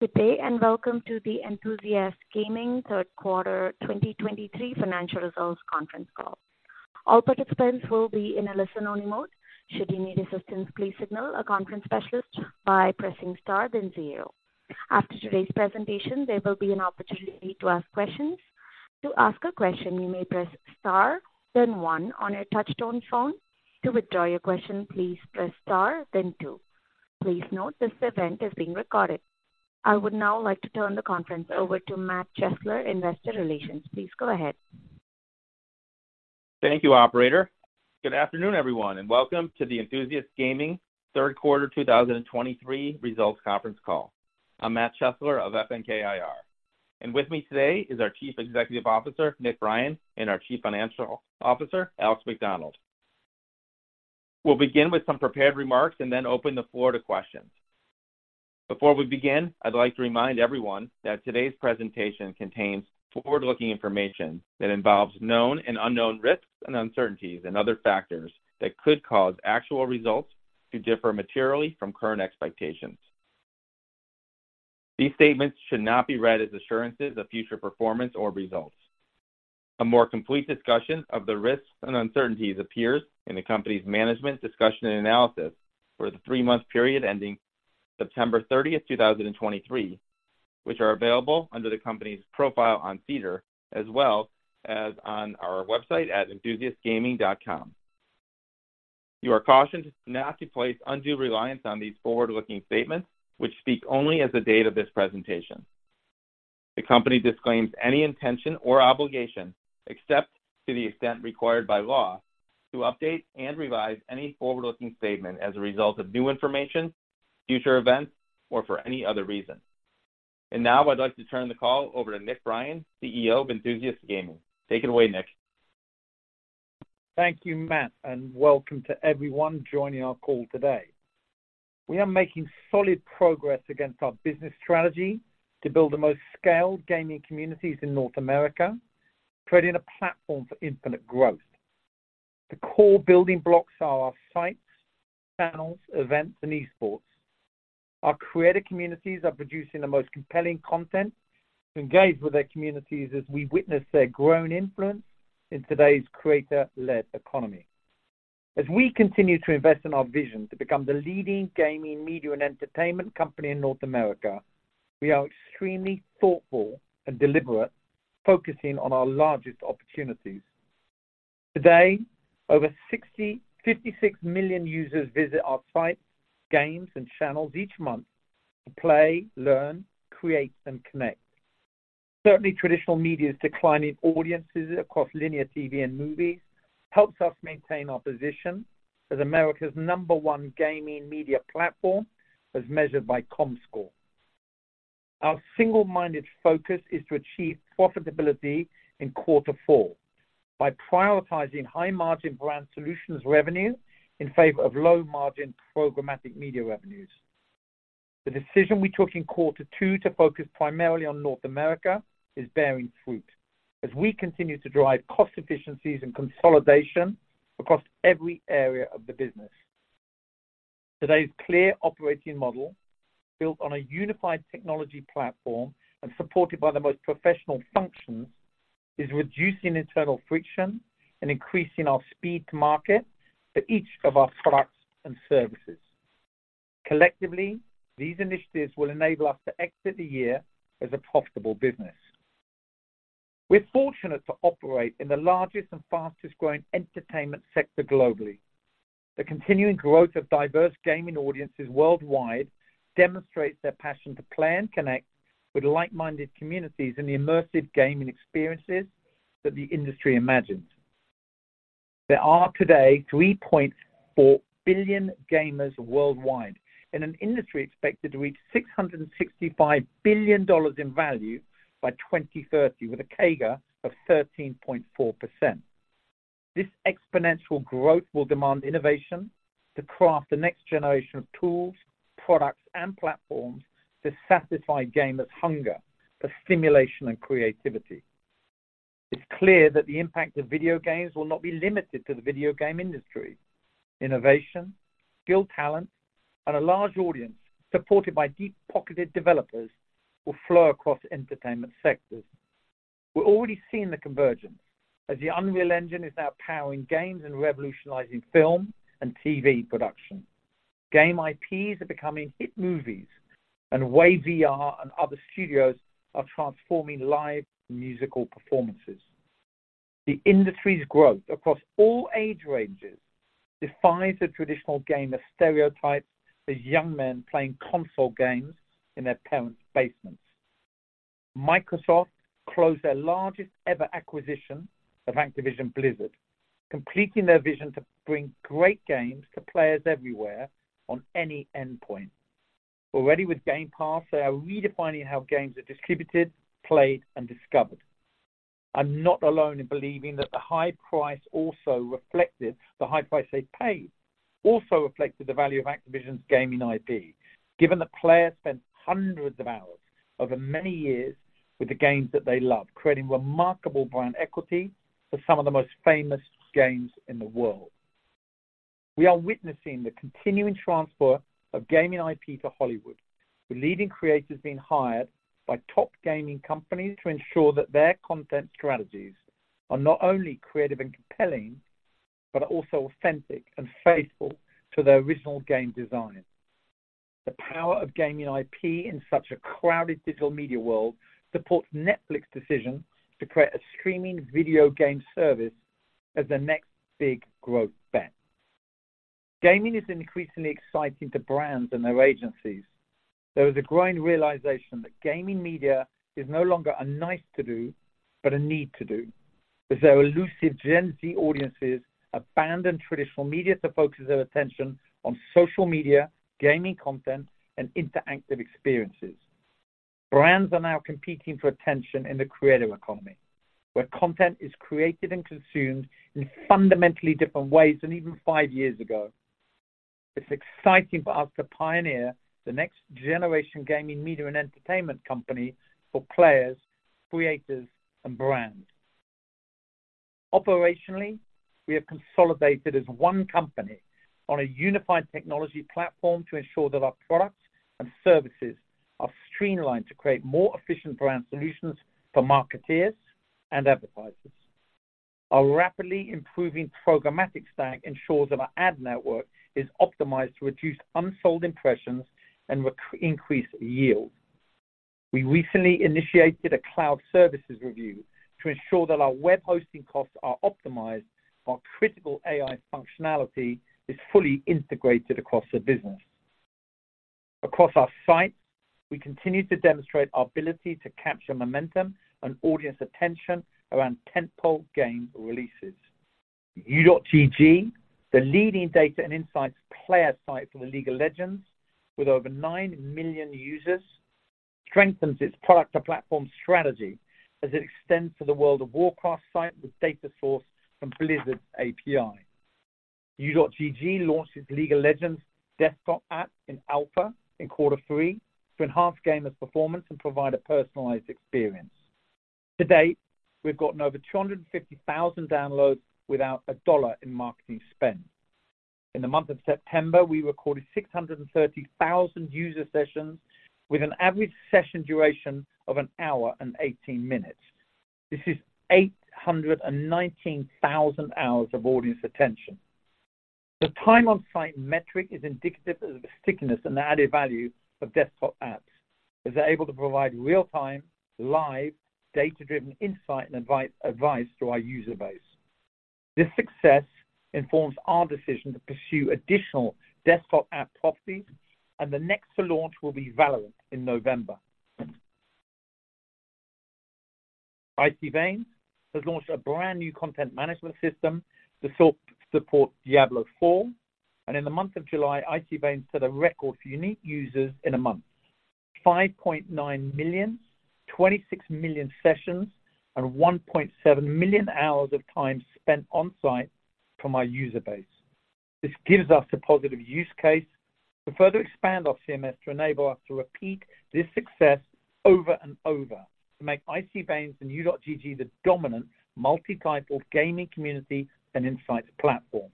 Good day, and Welcome to the Enthusiast Gaming Third Quarter 2023 financial results conference call. All participants will be in a listen-only mode. Should you need assistance, please signal a conference specialist by pressing star then zero. After today's presentation, there will be an opportunity to ask questions. To ask a question, you may press star then one on your touchtone phone. To withdraw your question, please press star then two. Please note this event is being recorded. I would now like to turn the conference over to Matt Chesler, Investor Relations. Please go ahead. Thank you, operator. Good afternoon, everyone, and welcome to the Enthusiast Gaming third quarter 2023 results conference call. I'm Matt Chesler of FNK IR, and with me today is our Chief Executive Officer, Nick Brien, and our Chief Financial Officer, Alex Macdonald. We'll begin with some prepared remarks and then open the floor to questions. Before we begin, I'd like to remind everyone that today's presentation contains forward-looking information that involves known and unknown risks and uncertainties and other factors that could cause actual results to differ materially from current expectations. These statements should not be read as assurances of future performance or results. A more complete discussion of the risks and uncertainties appears in the company's management discussion and analysis for the three-month period ending September 30, 2023, which are available under the company's profile on SEDAR, as well as on our website at enthusiastgaming.com. You are cautioned not to place undue reliance on these forward-looking statements, which speak only as the date of this presentation. The company disclaims any intention or obligation, except to the extent required by law, to update and revise any forward-looking statement as a result of new information, future events, or for any other reason. Now I'd like to turn the call over to Nick Brien, CEO of Enthusiast Gaming. Take it away, Nick. Thank you, Matt, and welcome to everyone joining our call today. We are making solid progress against our business strategy to build the most scaled gaming communities in North America, creating a platform for infinite growth. The core building blocks are our sites, channels, events, and esports. Our creative communities are producing the most compelling content to engage with their communities as we witness their growing influence in today's creator-led economy. As we continue to invest in our vision to become the leading gaming, media, and entertainment company in North America, we are extremely thoughtful and deliberate, focusing on our largest opportunities. Today, over 56 million users visit our sites, games, and channels each month to play, learn, create, and connect. Certainly, traditional media's declining audiences across linear TV and movies helps us maintain our position as America's number one gaming media platform, as measured by Comscore. Our single-minded focus is to achieve profitability in quarter four by prioritizing high-margin Brand Solutions revenue in favor of low-margin programmatic media revenues. The decision we took in quarter two to focus primarily on North America is bearing fruit as we continue to drive cost efficiencies and consolidation across every area of the business. Today's clear operating model, built on a unified technology platform and supported by the most professional functions, is reducing internal friction and increasing our speed to market for each of our products and services. Collectively, these initiatives will enable us to exit the year as a profitable business. We're fortunate to operate in the largest and fastest-growing entertainment sector globally. The continuing growth of diverse gaming audiences worldwide demonstrates their passion to play and connect with like-minded communities in the immersive gaming experiences that the industry imagines. There are today 3.4 billion gamers worldwide, in an industry expected to reach $665 billion in value by 2030, with a CAGR of 13.4%. This exponential growth will demand innovation to craft the next generation of tools, products, and platforms to satisfy gamers' hunger for stimulation and creativity. It's clear that the impact of video games will not be limited to the video game industry. Innovation, skilled talent, and a large audience supported by deep-pocketed developers will flow across entertainment sectors. We're already seeing the convergence as the Unreal Engine is now powering games and revolutionizing film and TV production. Game IPs are becoming hit movies, and Wave VR and other studios are transforming live musical performances. The industry's growth across all age ranges defies the traditional gamer stereotypes as young men playing console games in their parents' basements. Microsoft closed their largest-ever acquisition of Activision Blizzard, completing their vision to bring great games to players everywhere on any endpoint. Already with Game Pass, they are redefining how games are distributed, played, and discovered. I'm not alone in believing that the high price they paid also reflected the value of Activision's gaming IP, given that players spent hundreds of hours over many years with the games that they love, creating remarkable brand equity for some of the most famous games in the world. We are witnessing the continuing transfer of gaming IP to Hollywood, with leading creators being hired by top gaming companies to ensure that their content strategies are not only creative and compelling, but are also authentic and faithful to their original game design. The power of gaming IP in such a crowded digital media world supports Netflix's decision to create a streaming video game service as the next big growth bet. Gaming is increasingly exciting to brands and their agencies. There is a growing realization that gaming media is no longer a nice to do, but a need to do, as our elusive Gen Z audiences abandon traditional media to focus their attention on social media, gaming content, and interactive experiences. Brands are now competing for attention in the creator economy, where content is created and consumed in fundamentally different ways than even five years ago. It's exciting for us to pioneer the next generation gaming media and entertainment company for players, creators, and brands. Operationally, we have consolidated as one company on a unified technology platform to ensure that our products and services are streamlined to create more efficient Brand Solutions for marketeers and advertisers. Our rapidly improving programmatic stack ensures that our ad network is optimized to reduce unsold impressions and increase yield. We recently initiated a cloud services review to ensure that our web hosting costs are optimized, our critical AI functionality is fully integrated across the business. Across our sites, we continue to demonstrate our ability to capture momentum and audience attention around tent-pole game releases. U.GG, the leading data and insights player site for the League of Legends, with over nine million users, strengthens its product to platform strategy as it extends to the World of Warcraft site with data sourced from Blizzard API. U.GG launched its League of Legends desktop app in alpha in quarter three to enhance gamers' performance and provide a personalized experience. To date, we've gotten over 250,000 downloads without a dollar in marketing spend. In the month of September, we recorded 630,000 user sessions, with an average session duration of one hour and 18 minutes. This is 819,000 hours of audience attention. The time-on-site metric is indicative of the stickiness and the added value of desktop apps, as they're able to provide real-time, live, data-driven insight and advice to our user base. This success informs our decision to pursue additional desktop app properties, and the next to launch will be Valorant in November. Icy Veins has launched a brand new content management system to support Diablo IV, and in the month of July, Icy Veins set a record for unique users in a month. 5.9 million, 26 million sessions, and 1.7 million hours of time spent on site from our user base. This gives us a positive use case to further expand our CMS to enable us to repeat this success over and over, to make Icy Veins and U.GG the dominant multi-title gaming community and insights platform.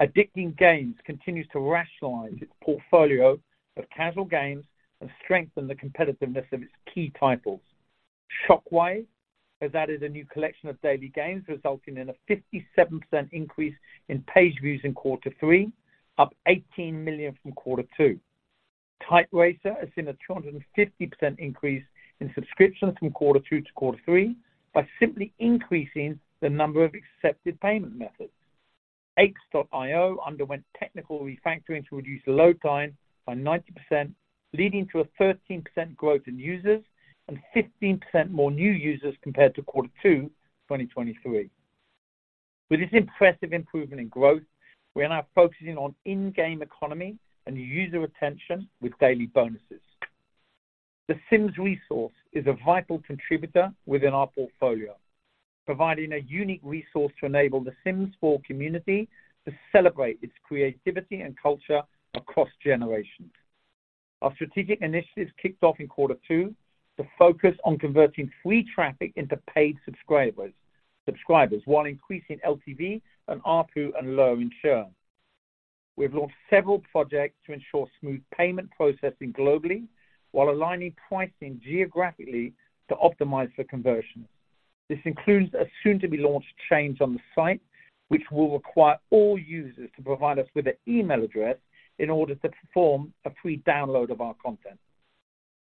Addicting Games continues to rationalize its portfolio of casual games and strengthen the competitiveness of its key titles. Shockwave has added a new collection of daily games, resulting in a 57% increase in page views in quarter three, up 18 million from quarter two. TypeRacer has seen a 250% increase in subscriptions from quarter two to quarter three by simply increasing the number of accepted payment methods. Apes.io underwent technical refactoring to reduce load time by 90%, leading to a 13% growth in users and 15% more new users compared to quarter two, 2023. With this impressive improvement in growth, we are now focusing on in-game economy and user retention with daily bonuses. The Sims Resource is a vital contributor within our portfolio, providing a unique resource to enable The Sims 4 community to celebrate its creativity and culture across generations. Our strategic initiatives kicked off in quarter two to focus on converting free traffic into paid subscribers, while increasing LTV and ARPU and lowering churn. We've launched several projects to ensure smooth payment processing globally while aligning pricing geographically to optimize for conversion. This includes a soon-to-be-launched change on the site, which will require all users to provide us with an email address in order to perform a free download of our content.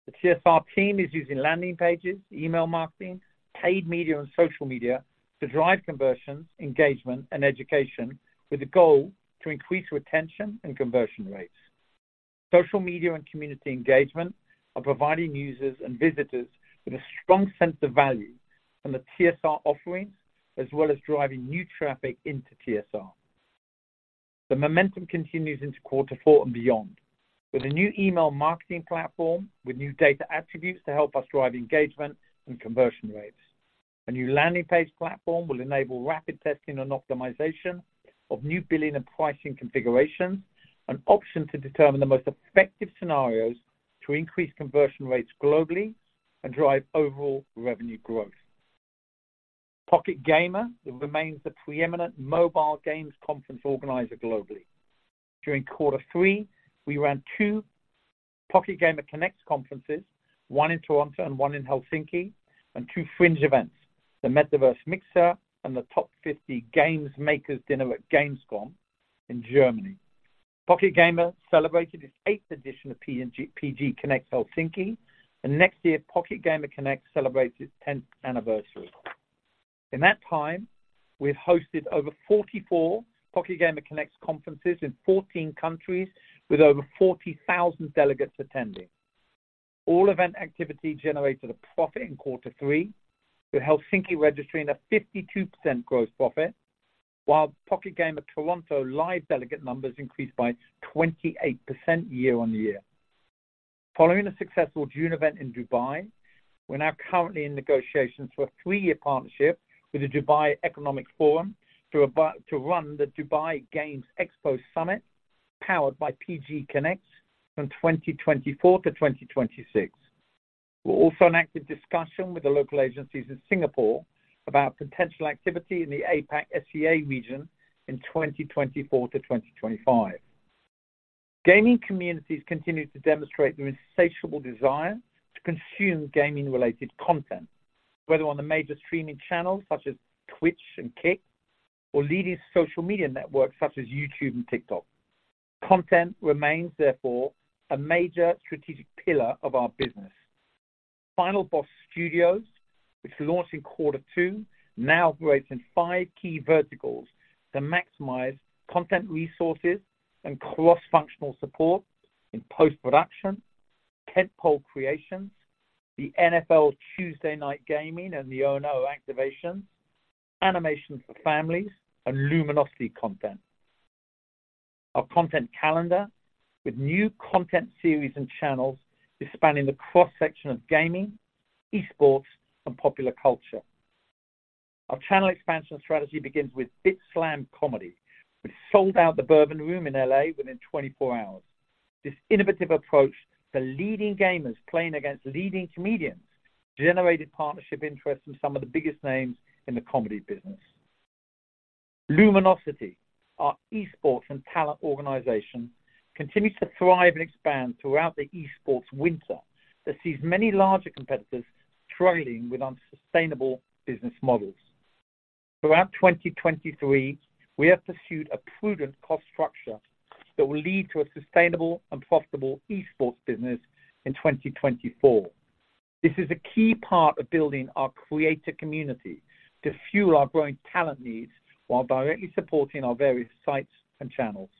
The TSR team is using landing pages, email marketing, paid media, and social media to drive conversions, engagement, and education with the goal to increase retention and conversion rates. Social media and community engagement are providing users and visitors with a strong sense of value from the TSR offerings, as well as driving new traffic into TSR. The momentum continues into quarter four and beyond. With a new email marketing platform, with new data attributes to help us drive engagement and conversion rates. A new landing page platform will enable rapid testing and optimization of new billing and pricing configurations, an option to determine the most effective scenarios to increase conversion rates globally and drive overall revenue growth. Pocket Gamer remains the preeminent mobile games conference organizer globally. During quarter three, we ran two Pocket Gamer Connects conferences, one in Toronto and one in Helsinki, and two fringe events, the Metaverse Mixer and the Top 50 Games Makers Dinner at Gamescom in Germany. Pocket Gamer celebrated its eighth edition of PG Connects Helsinki, and next year, Pocket Gamer Connects celebrates its 10th anniversary. In that time, we've hosted over 44 Pocket Gamer Connects conferences in 14 countries, with over 40,000 delegates attending. All event activity generated a profit in quarter three, with Helsinki registering a 52% gross profit, while Pocket Gamer Toronto live delegate numbers increased by 28% year-on-year. Following a successful June event in Dubai, we're now currently in negotiations for a three-year partnership with the Dubai Economic Forum to run the Dubai Games Expo Summit, powered by PG Connects from 2024-2026. We're also in active discussion with the local agencies in Singapore about potential activity in the APAC, SEA region in 2024-2025. Gaming communities continue to demonstrate their insatiable desire to consume gaming-related content, whether on the major streaming channels such as Twitch and Kick or leading social media networks such as YouTube and TikTok. Content remains, therefore, a major strategic pillar of our business. Final Boss Studios, which launched in quarter two, now operates in five key verticals to maximize content resources and cross-functional support in Post-Production, Tentpole Creations, the NFL Tuesday Night Gaming, and the O&O Activations, Animation for Families, and Luminosity Content. Our Content Calendar, with new content series and channels, is spanning the cross-section of gaming, esports, and popular culture. Our channel expansion strategy begins with BitSlam Comedy, which sold out the Bourbon Room in L.A. within 24 hours. This innovative approach to leading gamers playing against leading comedians generated partnership interest in some of the biggest names in the comedy business. Luminosity, our esports and talent organization, continues to thrive and expand throughout the esports winter that sees many larger competitors struggling with unsustainable business models. Throughout 2023, we have pursued a prudent cost structure that will lead to a sustainable and profitable esports business in 2024. This is a key part of building our creator community to fuel our growing talent needs while directly supporting our various sites and channels.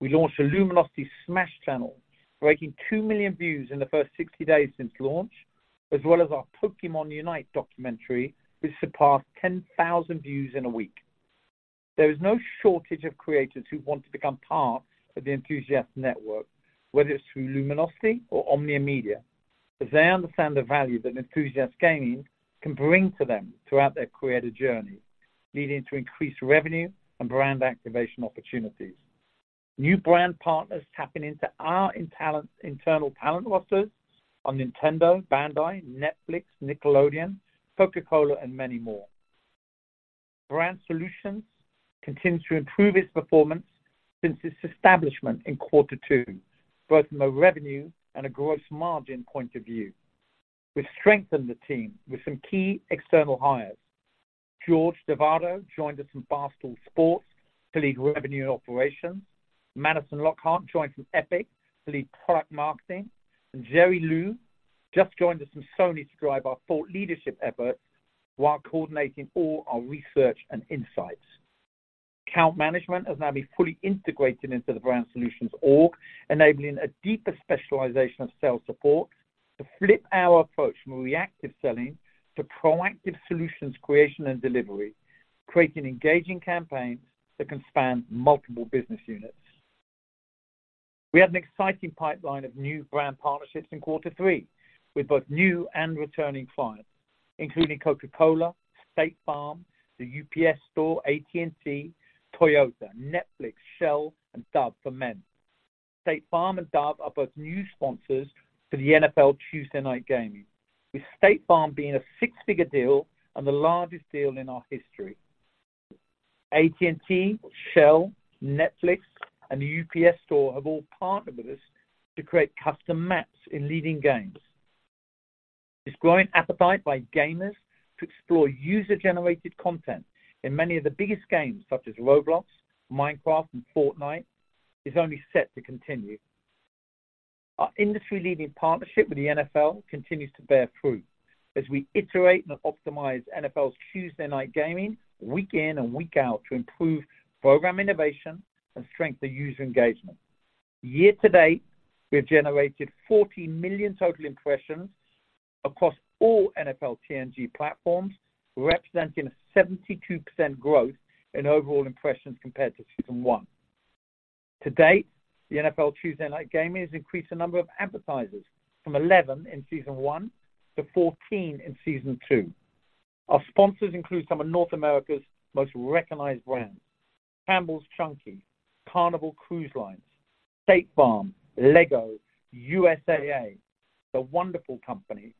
We launched a Luminosity Smash channel, breaking 2 million views in the first 60 days since launch, as well as our Pokémon Unite documentary, which surpassed 10,000 views in a week. There is no shortage of creators who want to become part of the Enthusiast Network, whether it's through Luminosity or Omnia Media, as they understand the value that an Enthusiast Gaming can bring to them throughout their creative journey, leading to increased revenue and brand activation opportunities. New brand partners tapping into our internal talent rosters are Nintendo, Bandai, Netflix, Nickelodeon, Coca-Cola, and many more. Brand Solutions continues to improve its performance since its establishment in quarter two, both from a revenue and a gross margin point of view. We've strengthened the team with some key external hires. George DeVardo joined us from Barstool Sports to lead Revenue Operations. Madison Lockhart joined from Epic to lead Product Marketing, and Jerry Liu just joined us from Sony to drive our thought leadership efforts while coordinating all our research and insights. Account management has now been fully integrated into the Brand Solutions Org, enabling a deeper specialization of sales support to flip our approach from reactive selling to proactive solutions creation and delivery, creating engaging campaigns that can span multiple business units. We have an exciting pipeline of new brand partnerships in quarter three with both new and returning clients, including Coca-Cola, State Farm, The UPS Store, AT&T, Toyota, Netflix, Shell, and Dove for Men. State Farm and Dove are both new sponsors for the NFL Tuesday Night Gaming, with State Farm being a six-figure deal and the largest deal in our history. AT&T, Shell, Netflix, and The UPS Store have all partnered with us to create custom maps in leading games. This growing appetite by gamers to explore user-generated content in many of the biggest games, such as Roblox, Minecraft, and Fortnite, is only set to continue. Our industry-leading partnership with the NFL continues to bear fruit as we iterate and optimize NFL Tuesday Night Gaming week in and week out to improve program innovation and strengthen user engagement. Year-to-date, we have generated 40 million total impressions across all NFL TNG platforms, representing a 72% growth in overall impressions compared to Season one. To date, the NFL Tuesday Night Gaming has increased the number of advertisers from 11 in Season one to 14 in Season two. Our sponsors include some of North America's most recognized brands. Campbell's Chunky, Carnival Cruise Lines, State Farm, LEGO, USAA, The Wonderful Company,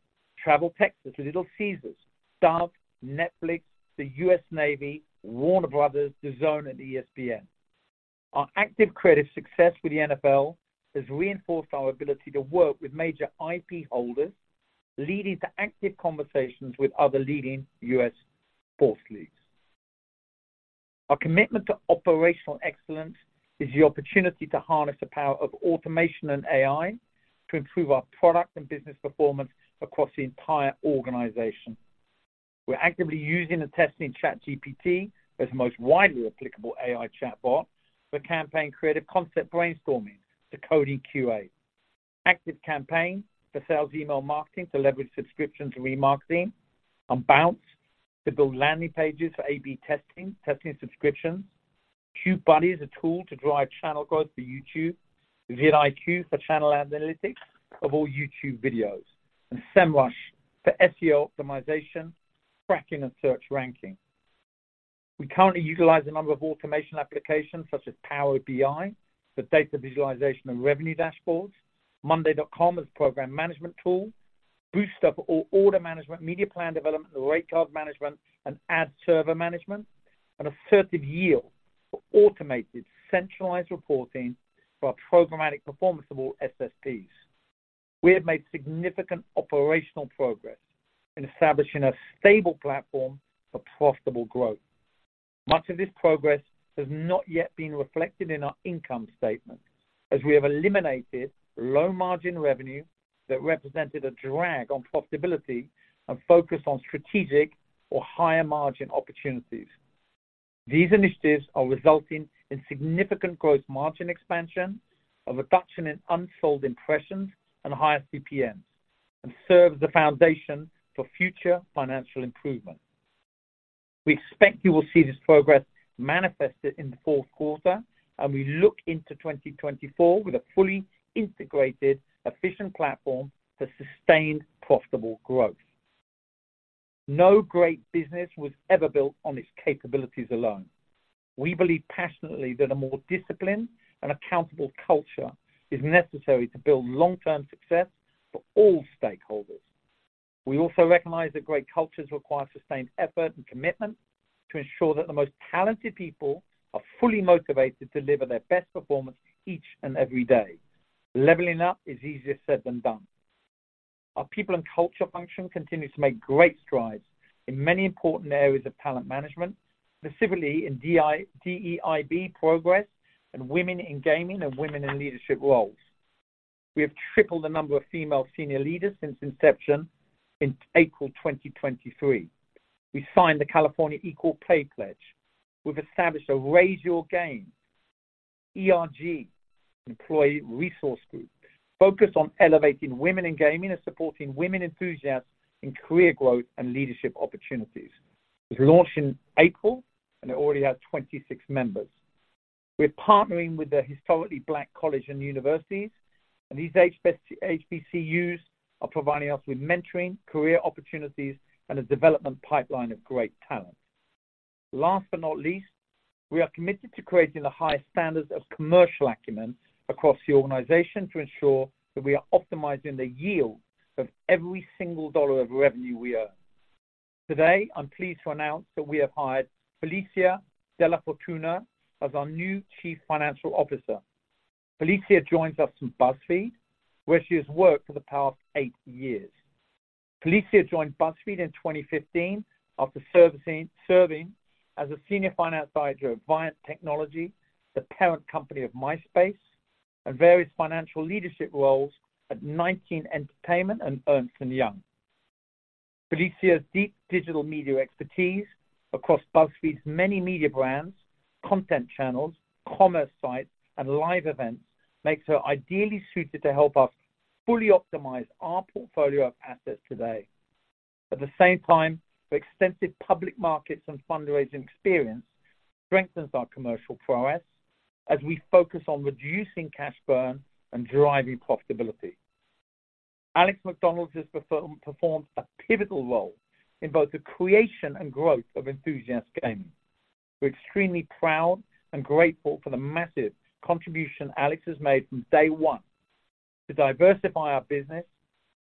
Travel Texas, Little Caesars, Dove, Netflix, the U.S. Navy, Warner Brothers, DAZN Zone, and ESPN. Our active creative success with the NFL has reinforced our ability to work with major IP holders, leading to active conversations with other leading U.S. sports leagues. Our commitment to operational excellence is the opportunity to harness the power of automation and AI to improve our product and business performance across the entire organization. We're actively using and testing ChatGPT as the most widely applicable AI chatbot for campaign creative concept brainstorming to coding QA. ActiveCampaign for sales email marketing to leverage subscriptions and remarketing, Unbounce to build landing pages for AB testing, testing subscriptions. TubeBuddy is a tool to drive channel growth for YouTube, vidIQ for channel analytics of all YouTube videos, and Semrush for SEO optimization, tracking, and search ranking. We currently utilize a number of automation applications such as Power BI for data visualization and revenue dashboards, Monday.com as a program management tool, Boostr for order management, media plan development, rate card management, and ad server management, and Assertive Yield for automated centralized reporting for our programmatic performance of all SSPs. We have made significant operational progress in establishing a stable platform for profitable growth. Much of this progress has not yet been reflected in our income statement, as we have eliminated low-margin revenue that represented a drag on profitability and focused on strategic or higher-margin opportunities. These initiatives are resulting in significant gross margin expansion, a reduction in unsold impressions and higher CPMs, and serves as the foundation for future financial improvement. We expect you will see this progress manifested in the fourth quarter, and we look into 2024 with a fully integrated, efficient platform for sustained, profitable growth. No great business was ever built on its capabilities alone. We believe passionately that a more disciplined and accountable culture is necessary to build long-term success for all stakeholders. We also recognize that great cultures require sustained effort and commitment to ensure that the most talented people are fully motivated to deliver their best performance each and every day. Leveling up is easier said than done. Our people and culture function continue to make great strides in many important areas of talent management, specifically in DEIB progress and women in gaming and women in leadership roles. We have tripled the number of female senior leaders since inception in April 2023. We signed the California Equal Pay Pledge. We've established a Raise Your Game, ERG, Employee Resource Group, focused on elevating women in gaming and supporting women enthusiasts in career growth and leadership opportunities. It was launched in April, and it already has 26 members. We're partnering with the Historically Black College and Universities, and these HBCUs are providing us with mentoring, career opportunities, and a development pipeline of great talent. Last but not least, we are committed to creating the highest standards of commercial acumen across the organization to ensure that we are optimizing the yield of every single dollar of revenue we earn. Today, I'm pleased to announce that we have hired Felicia DellaFortuna as our new Chief Financial Officer. Felicia joins us from BuzzFeed, where she has worked for the past eight years. Felicia joined BuzzFeed in 2015 after serving as a senior finance director of Viant Technology, the parent company of MySpace, and various financial leadership roles at XIX Entertainment and Ernst & Young. Felicia's deep digital media expertise across BuzzFeed's many media brands, content channels, commerce sites, and live events, makes her ideally suited to help us fully optimize our portfolio of assets today. At the same time, her extensive public markets and fundraising experience strengthens our commercial progress as we focus on reducing cash burn and driving profitability. Alex Macdonald has performed a pivotal role in both the creation and growth of Enthusiast Gaming. We're extremely proud and grateful for the massive contribution Alex has made from day one to diversify our business,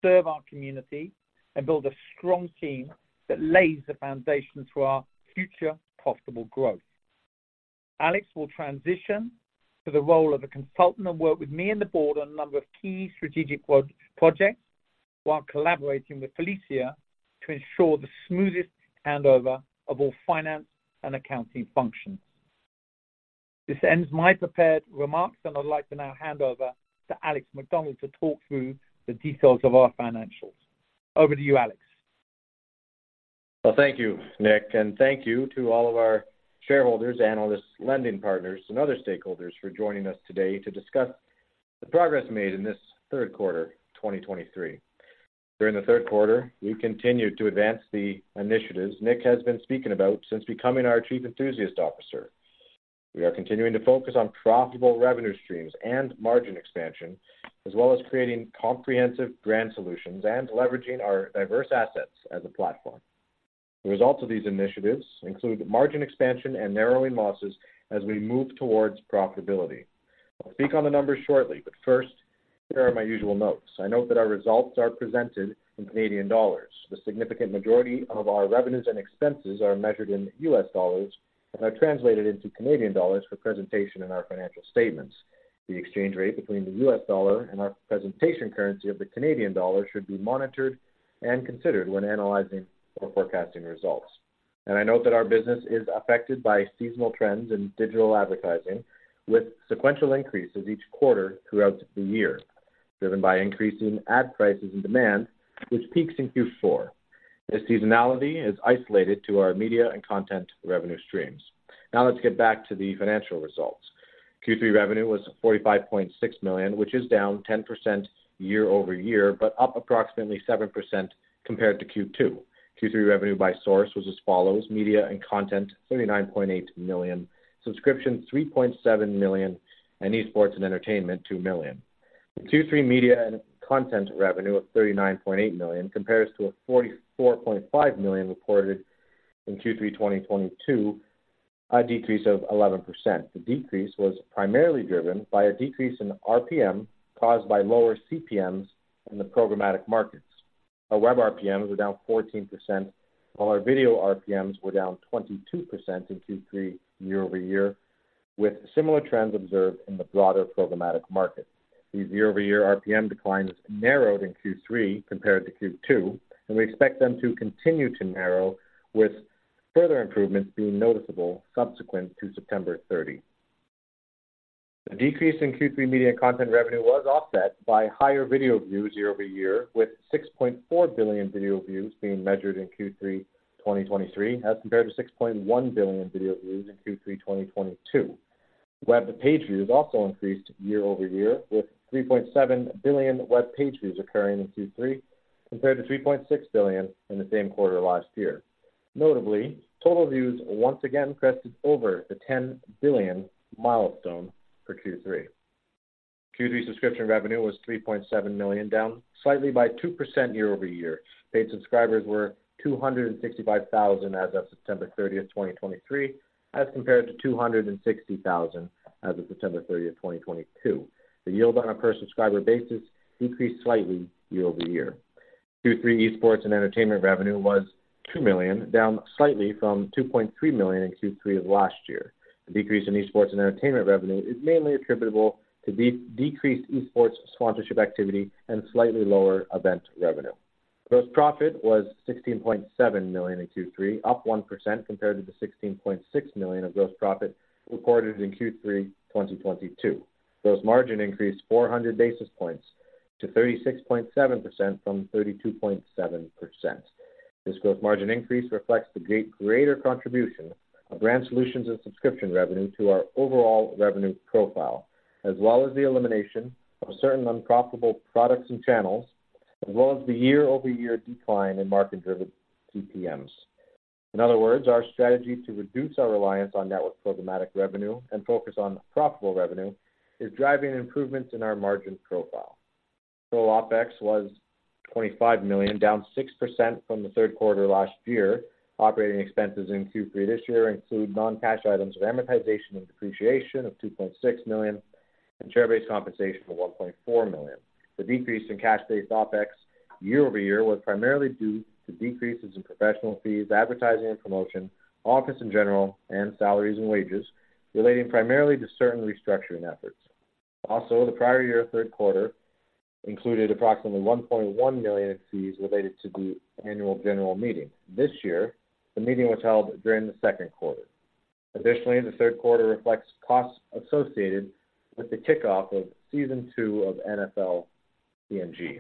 serve our community, and build a strong team that lays the foundation for our future profitable growth. Alex will transition to the role of a consultant and work with me and the board on a number of key strategic projects, while collaborating with Felicia to ensure the smoothest handover of all finance and accounting functions. This ends my prepared remarks, and I'd like to now hand over to Alex Macdonald to talk through the details of our financials. Over to you, Alex. Well, thank you, Nick, and thank you to all of our shareholders, analysts, lending partners, and other stakeholders for joining us today to discuss the progress made in this third quarter, 2023. During the third quarter, we continued to advance the initiatives Nick has been speaking about since becoming our Chief Executive Officer. We are continuing to focus on profitable revenue streams and margin expansion, as well as creating comprehensive Brand Solutions and leveraging our diverse assets as a platform. The results of these initiatives include margin expansion and narrowing losses as we move towards profitability. I'll speak on the numbers shortly, but first, here are my usual notes. I note that our results are presented in Canadian dollars. The significant majority of our revenues and expenses are measured in U.S. dollars and are translated into Canadian dollars for presentation in our financial statements. The exchange rate between the U.S. dollar and our presentation currency of the Canadian dollar should be monitored and considered when analyzing or forecasting results. I note that our business is affected by seasonal trends in digital advertising, with sequential increases each quarter throughout the year, driven by increasing ad prices and demand, which peaks in Q4. This seasonality is isolated to our media and content revenue streams. Now let's get back to the financial results. Q3 revenue was 45.6 million, which is down 10% year-over-year, but up approximately 7% compared to Q2. Q3 revenue by source was as follows: media and content, 39.8 million; subscription, 3.7 million; and esports and entertainment, 2 million. The Q3 media and content revenue of 39.8 million compares to a 44.5 million reported in Q3 2022, a decrease of 11%. The decrease was primarily driven by a decrease in RPM, caused by lower CPMs in the programmatic markets. Our web RPMs were down 14%, while our video RPMs were down 22% in Q3 year-over-year, with similar trends observed in the broader programmatic market. These year-over-year RPM declines narrowed in Q3 compared to Q2, and we expect them to continue to narrow, with further improvements being noticeable subsequent to September 30. The decrease in Q3 media and content revenue was offset by higher video views year-over-year, with 6.4 billion video views being measured in Q3 2023, as compared to 6.1 billion video views in Q3 2022. Web page views also increased year-over-year, with 3.7 billion web page views occurring in Q3, compared to 3.6 billion in the same quarter last year. Notably, total views once again crested over the 10 billion milestone for Q3. Q3 subscription revenue was 3.7 million, down slightly by 2% year-over-year. Paid subscribers were 265,000 as of September 30, 2023, as compared to 260,000 as of September 30, 2022. The yield on a per-subscriber basis decreased slightly year-over-year. Q3 esports and entertainment revenue was 2 million, down slightly from 2.3 million in Q3 of last year. The decrease in esports and entertainment revenue is mainly attributable to decreased esports sponsorship activity and slightly lower event revenue. Gross profit was 16.7 million in Q3, up 1% compared to the 16.6 million of gross profit recorded in Q3 2022. Gross margin increased 400 basis points to 36.7% from 32.7%. This gross margin increase reflects the greater contribution of Brand Solutions and subscription revenue to our overall revenue profile, as well as the elimination of certain unprofitable products and channels, as well as the year-over-year decline in market-driven CPMs. In other words, our strategy to reduce our reliance on network programmatic revenue and focus on profitable revenue is driving improvements in our margin profile. Total OpEx was 25 million, down 6% from the third quarter last year. Operating expenses in Q3 this year include non-cash items of amortization and depreciation of 2.6 million and share-based compensation of 1.4 million. The decrease in cash-based OpEx year-over-year was primarily due to decreases in professional fees, advertising and promotion, office in general, and salaries and wages relating primarily to certain restructuring efforts. Also, the prior year third quarter included approximately 1.1 million in fees related to the annual general meeting. This year, the meeting was held during the second quarter. Additionally, the third quarter reflects costs associated with the kickoff of Season two of NFL TNG.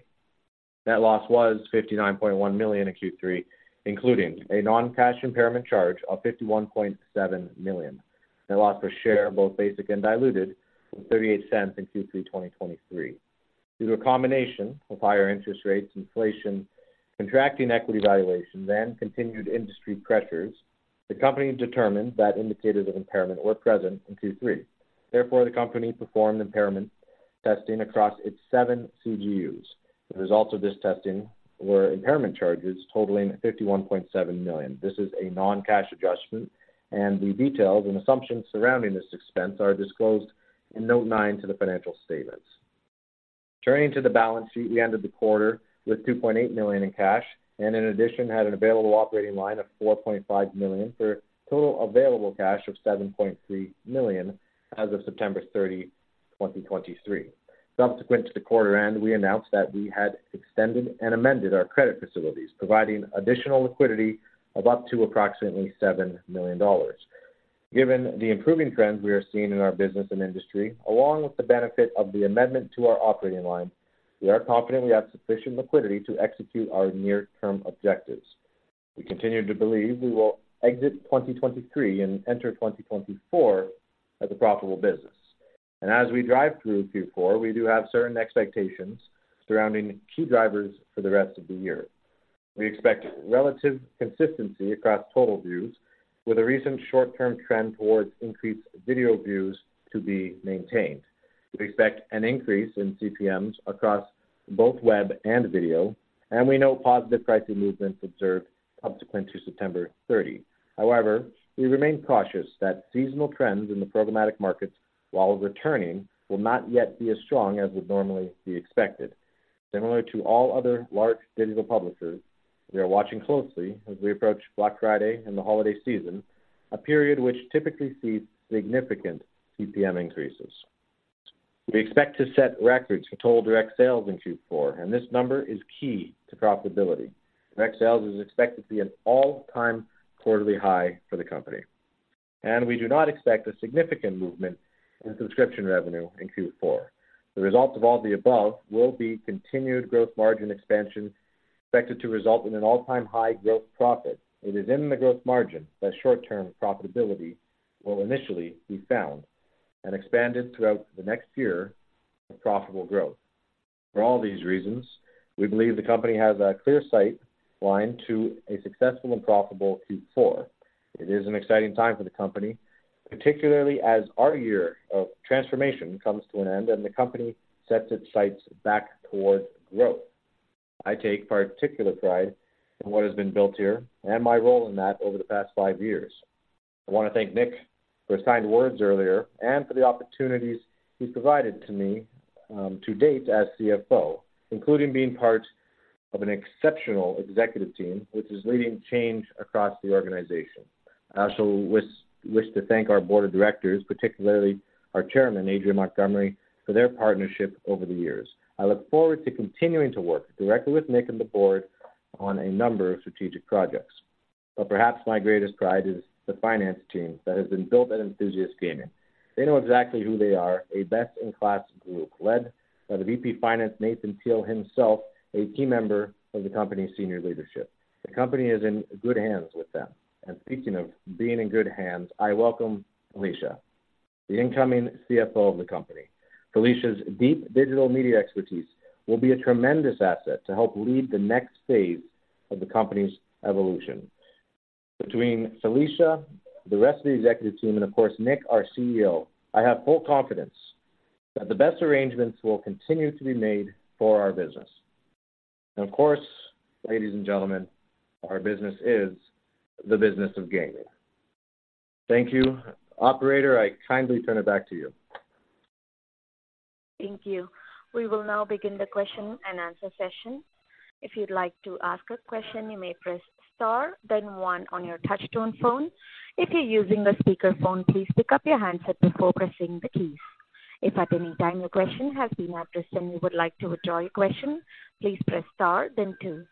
Net loss was 59.1 million in Q3, including a non-cash impairment charge of 51.7 million. Net loss per share, both basic and diluted, was 0.38 in Q3 2023. Due to a combination of higher interest rates, inflation, contracting equity valuations, and continued industry pressures, the company determined that indicators of impairment were present in Q3. Therefore, the company performed impairment testing across its seven CGUs. The results of this testing were impairment charges totaling 51.7 million. This is a non-cash adjustment, and the details and assumptions surrounding this expense are disclosed in Note 9 to the financial statements. Turning to the balance sheet, we ended the quarter with 2.8 million in cash, and in addition, had an available operating line of 4.5 million, for total available cash of 7.3 million as of September 30, 2023. Subsequent to the quarter end, we announced that we had extended and amended our credit facilities, providing additional liquidity of up to approximately 7 million dollars. Given the improving trends we are seeing in our business and industry, along with the benefit of the amendment to our operating line, we are confident we have sufficient liquidity to execute our near-term objectives. We continue to believe we will exit 2023 and enter 2024 as a profitable business. As we drive through Q4, we do have certain expectations surrounding key drivers for the rest of the year. We expect relative consistency across total views, with a recent short-term trend towards increased video views to be maintained. We expect an increase in CPMs across both web and video, and we note positive pricing movements observed subsequent to September 30. However, we remain cautious that seasonal trends in the programmatic markets, while returning, will not yet be as strong as would normally be expected. Similar to all other large digital publishers, we are watching closely as we approach Black Friday and the holiday season, a period which typically sees significant CPM increases. We expect to set records for total direct sales in Q4, and this number is key to profitability. Direct sales is expected to be an all-time quarterly high for the company, and we do not expect a significant movement in subscription revenue in Q4. The result of all the above will be continued growth margin expansion, expected to result in an all-time high growth profit. It is in the growth margin that short-term profitability will initially be found and expanded throughout the next year of profitable growth. For all these reasons, we believe the company has a clear sight line to a successful and profitable Q4. It is an exciting time for the company, particularly as our year of transformation comes to an end and the company sets its sights back towards growth. I take particular pride in what has been built here and my role in that over the past five years. I want to thank Nick for his kind words earlier and for the opportunities he's provided to me, to date as CFO, including being part of an exceptional executive team, which is leading change across the organization. I also wish to thank our board of directors, particularly our chairman, Adrian Montgomery, for their partnership over the years. I look forward to continuing to work directly with Nick and the board on a number of strategic projects. But perhaps my greatest pride is the finance team that has been built at Enthusiast Gaming. They know exactly who they are, a best-in-class group, led by the VP of Finance, Nathan Teal, himself, a key member of the company's senior leadership. The company is in good hands with them. And speaking of being in good hands, I welcome Felicia, the incoming CFO of the company. Felicia's deep digital media expertise will be a tremendous asset to help lead the next phase of the company's evolution. Between Felicia, the rest of the executive team, and of course, Nick, our CEO, I have full confidence that the best arrangements will continue to be made for our business. Of course, ladies and gentlemen, our business is the business of gaming. Thank you. Operator, I kindly turn it back to you. Thank you. We will now begin the question and answer session. If you'd like to ask a question, you may press star, then one on your touchtone phone. If you're using a speakerphone, please pick up your handset before pressing the keys. If at any time your question has been addressed and you would like to withdraw your question, please press star, then two.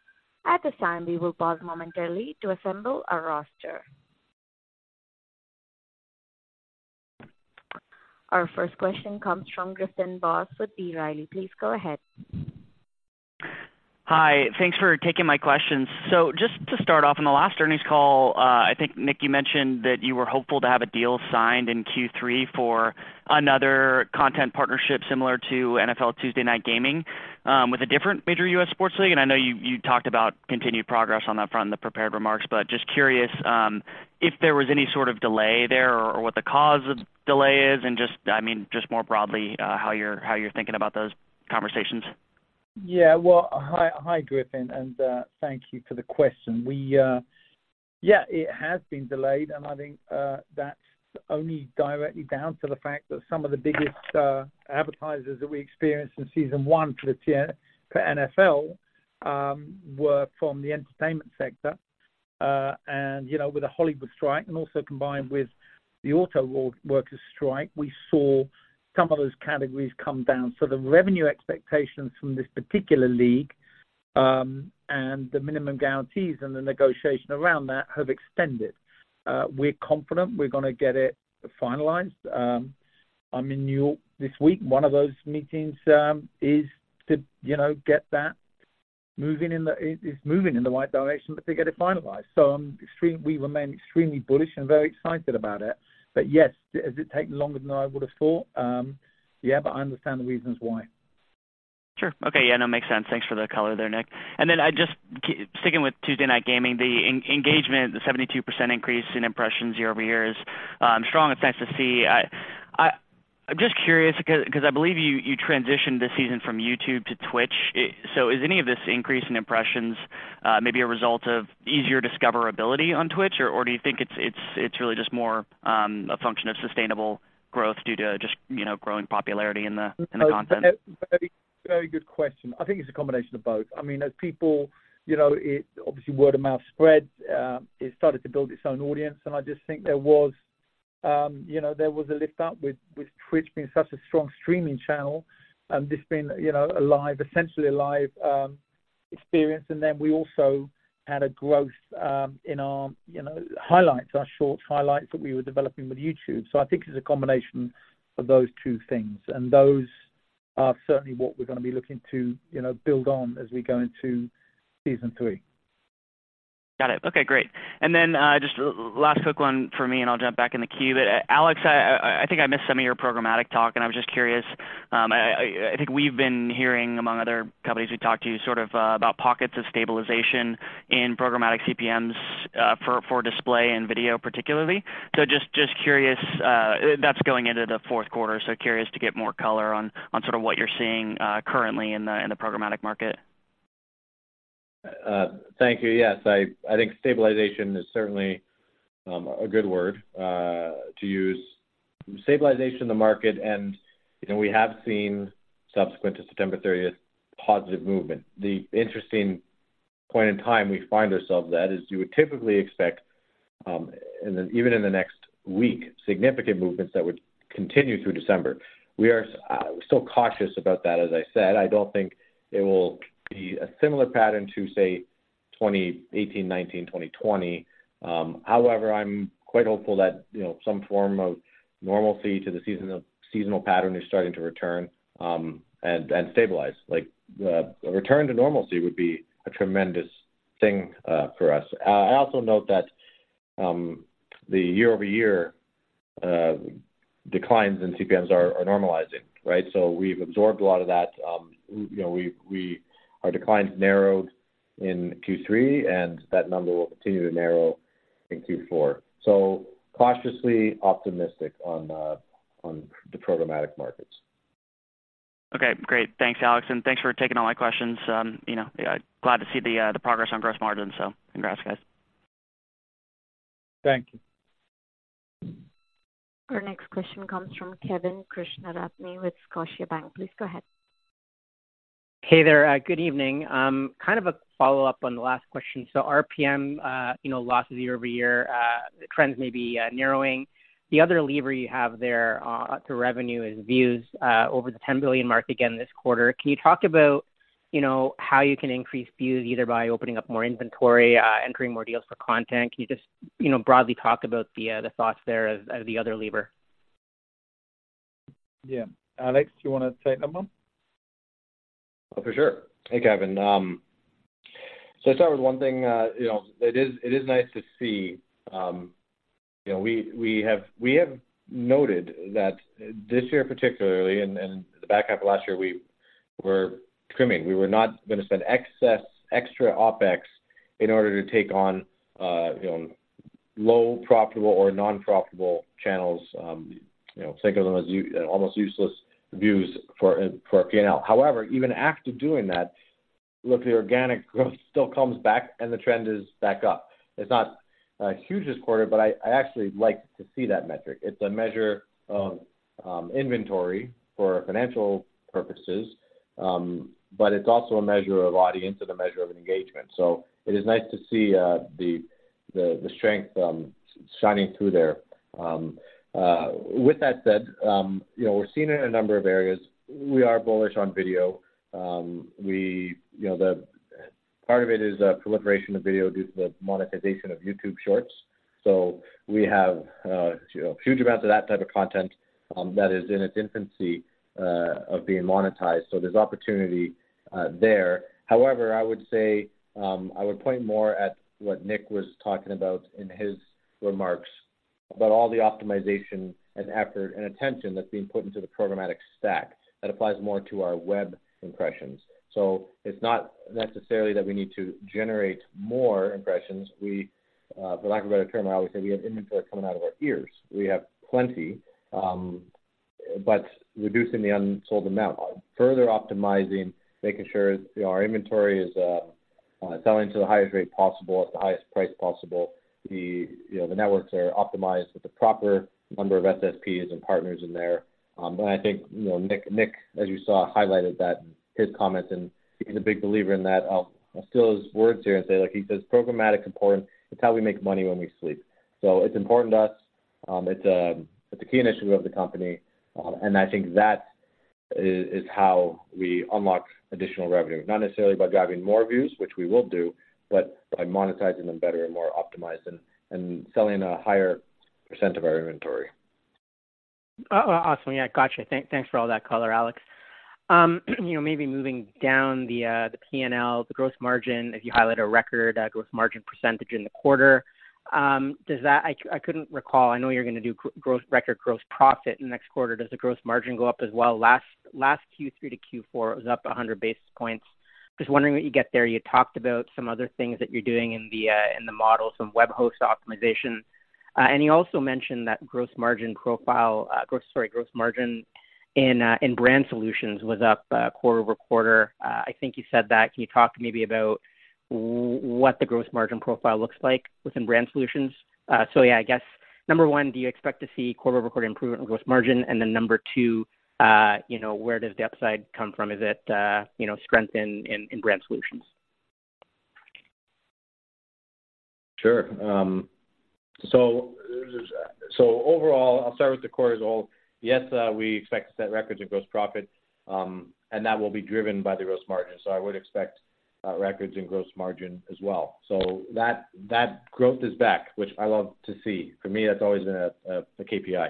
At this time, we will pause momentarily to assemble our roster. Our first question comes from Griffin Boss with B. Riley. Please go ahead. Hi, thanks for taking my questions. So just to start off, in the last earnings call, I think, Nick, you mentioned that you were hopeful to have a deal signed in Q3 for another content partnership, similar to NFL Tuesday Night Gaming, with a different major U.S. sports league. And I know you, you talked about continued progress on that front in the prepared remarks, but just curious, if there was any sort of delay there or, or what the cause of delay is, and just, I mean, just more broadly, how you're, how you're thinking about those conversations? Yeah, well, hi, Griffin, and thank you for the question. We... Yeah, it has been delayed, and I think that's only directly down to the fact that some of the biggest advertisers that we experienced in Season one for the NFL were from the entertainment sector. And you know, with the Hollywood strike and also combined with the auto world workers' strike, we saw some of those categories come down. So the revenue expectations from this particular league and the minimum guarantees and the negotiation around that have extended. We're confident we're gonna get it finalized. I'm in New York this week. One of those meetings is to you know, get that moving in the right direction, but to get it finalized. So we remain extremely bullish and very excited about it. But yes, has it taken longer than I would have thought? Yeah, but I understand the reasons why. Sure. Okay, yeah, no, makes sense. Thanks for the color there, Nick. And then I just sticking with Tuesday Night Gaming, the engagement, the 72% increase in impressions year-over-year is strong and nice to see. I'm just curious, 'cause I believe you transitioned this season from YouTube to Twitch. So is any of this increase in impressions maybe a result of easier discoverability on Twitch? Or do you think it's really just more a function of sustainable growth due to just, you know, growing popularity in the content? Very, very good question. I think it's a combination of both. I mean, as people, you know, it obviously word of mouth spreads, it started to build its own audience, and I just think there was, you know, there was a lift up with, with Twitch being such a strong streaming channel, and this being, you know, a live, essentially a live, experience. And then we also had a growth, in our, you know, highlights, our short highlights that we were developing with YouTube. So I think it's a combination of those two things, and those are certainly what we're going to be looking to, you know, build on as we go into Season three. Got it. Okay, great. And then, just last quick one for me, and I'll jump back in the queue. Alex, I think I missed some of your programmatic talk, and I was just curious. I think we've been hearing, among other companies we've talked to, sort of, about pockets of stabilization in programmatic CPMs, for display and video, particularly. So just curious, that's going into the fourth quarter, so curious to get more color on what you're seeing currently in the programmatic market. Thank you. Yes, I think stabilization is certainly a good word to use. Stabilization in the market, and, you know, we have seen subsequent to September 30th, positive movement. The interesting point in time we find ourselves at is you would typically expect, and then even in the next week, significant movements that would continue through December. We are still cautious about that, as I said. I don't think it will be a similar pattern to, say, 2018, 2019, 2020. However, I'm quite hopeful that, you know, some form of normalcy to the seasonal pattern is starting to return, and stabilize. Like, the return to normalcy would be a tremendous thing for us. I also note that the year-over-year declines in CPMs are normalizing, right? So we've absorbed a lot of that. You know, our declines narrowed in Q3, and that number will continue to narrow in Q4. So cautiously optimistic on the programmatic markets. Okay, great. Thanks, Alex, and thanks for taking all my questions. You know, glad to see the progress on gross margin. So congrats, guys. Thank you. Our next question comes from Kevin Krishnaratne with Scotiabank. Please go ahead. Hey there, good evening. Kind of a follow-up on the last question. So RPM, you know, losses year-over-year trends may be narrowing. The other lever you have there to revenue is views, over the 10 billion mark again this quarter. Can you talk about, you know, how you can increase views, either by opening up more inventory, entering more deals for content? Can you just, you know, broadly talk about the thoughts there as the other lever? Yeah. Alex, do you want to take that one? Oh, for sure. Hey, Kevin. So I'll start with one thing, you know, it is, it is nice to see, you know, we, we have, we have noted that this year particularly, and, and the back half of last year, we were trimming. We were not gonna spend excess, extra OpEx in order to take on, you know, low profitable or non-profitable channels. You know, think of them as almost useless views for, for P&L. However, even after doing that, look, the organic growth still comes back and the trend is back up. It's not a huge this quarter, but I, I actually like to see that metric. It's a measure of, inventory for financial purposes, but it's also a measure of audience and a measure of engagement. So it is nice to see the strength shining through there. With that said, you know, we're seeing it in a number of areas. We are bullish on video. We, you know, part of it is a proliferation of video due to the monetization of YouTube Shorts. So we have huge amounts of that type of content that is in its infancy of being monetized, so there's opportunity there. However, I would say, I would point more at what Nick was talking about in his remarks, about all the optimization and effort and attention that's being put into the programmatic stack. That applies more to our web impressions. So it's not necessarily that we need to generate more impressions. We, for lack of a better term, I always say we have inventory coming out of our ears. We have plenty, but reducing the unsold amount, further optimizing, making sure, you know, our inventory is selling to the highest rate possible at the highest price possible. The, you know, the networks are optimized with the proper number of SSPs and partners in there. And I think, you know, Nick, Nick, as you saw, highlighted that in his comments, and he's a big believer in that. I'll steal his words here and say, like he says, "Programmatic important, it's how we make money when we sleep." So it's important to us. It's a key initiative of the company, and I think that is how we unlock additional revenue, not necessarily by driving more views, which we will do, but by monetizing them better and more optimized and selling a higher percent of our inventory. Awesome. Yeah, gotcha. Thanks for all that color, Alex. You know, maybe moving down the P&L, the gross margin. If you highlight a record gross margin percentage in the quarter, does that... I couldn't recall. I know you're gonna do growth, record gross profit in the next quarter. Does the gross margin go up as well? Last Q3 to Q4, it was up 100 basis points. Just wondering what you get there. You talked about some other things that you're doing in the model, some web host optimization. And you also mentioned that gross margin profile, gross, sorry, gross margin in Brand Solutions was up quarter-over-quarter. I think you said that. Can you talk maybe about what the gross margin profile looks like within Brand Solutions? So yeah, I guess number one, do you expect to see quarter-over-quarter improvement in gross margin? And then number two, you know, where does the upside come from? Is it, you know, strength in Brand Solutions? Sure. So overall, I'll start with the core is all. Yes, we expect to set records in gross profit, and that will be driven by the gross margin, so I would expect records in gross margin as well. So that growth is back, which I love to see. For me, that's always been a KPI.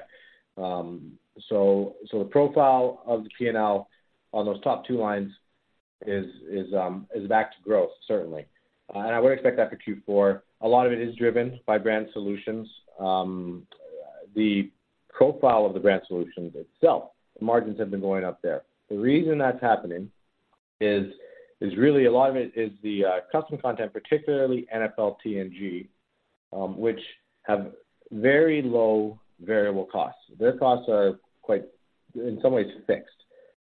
So the profile of the P&L on those top two lines is back to growth, certainly. And I would expect that for Q4. A lot of it is driven by Brand Solutions. The profile of the Brand Solutions itself, the margins have been going up there. The reason that's happening is really a lot of it is the custom content, particularly NFL TNG, which have very low variable costs. Their costs are quite, in some ways, fixed.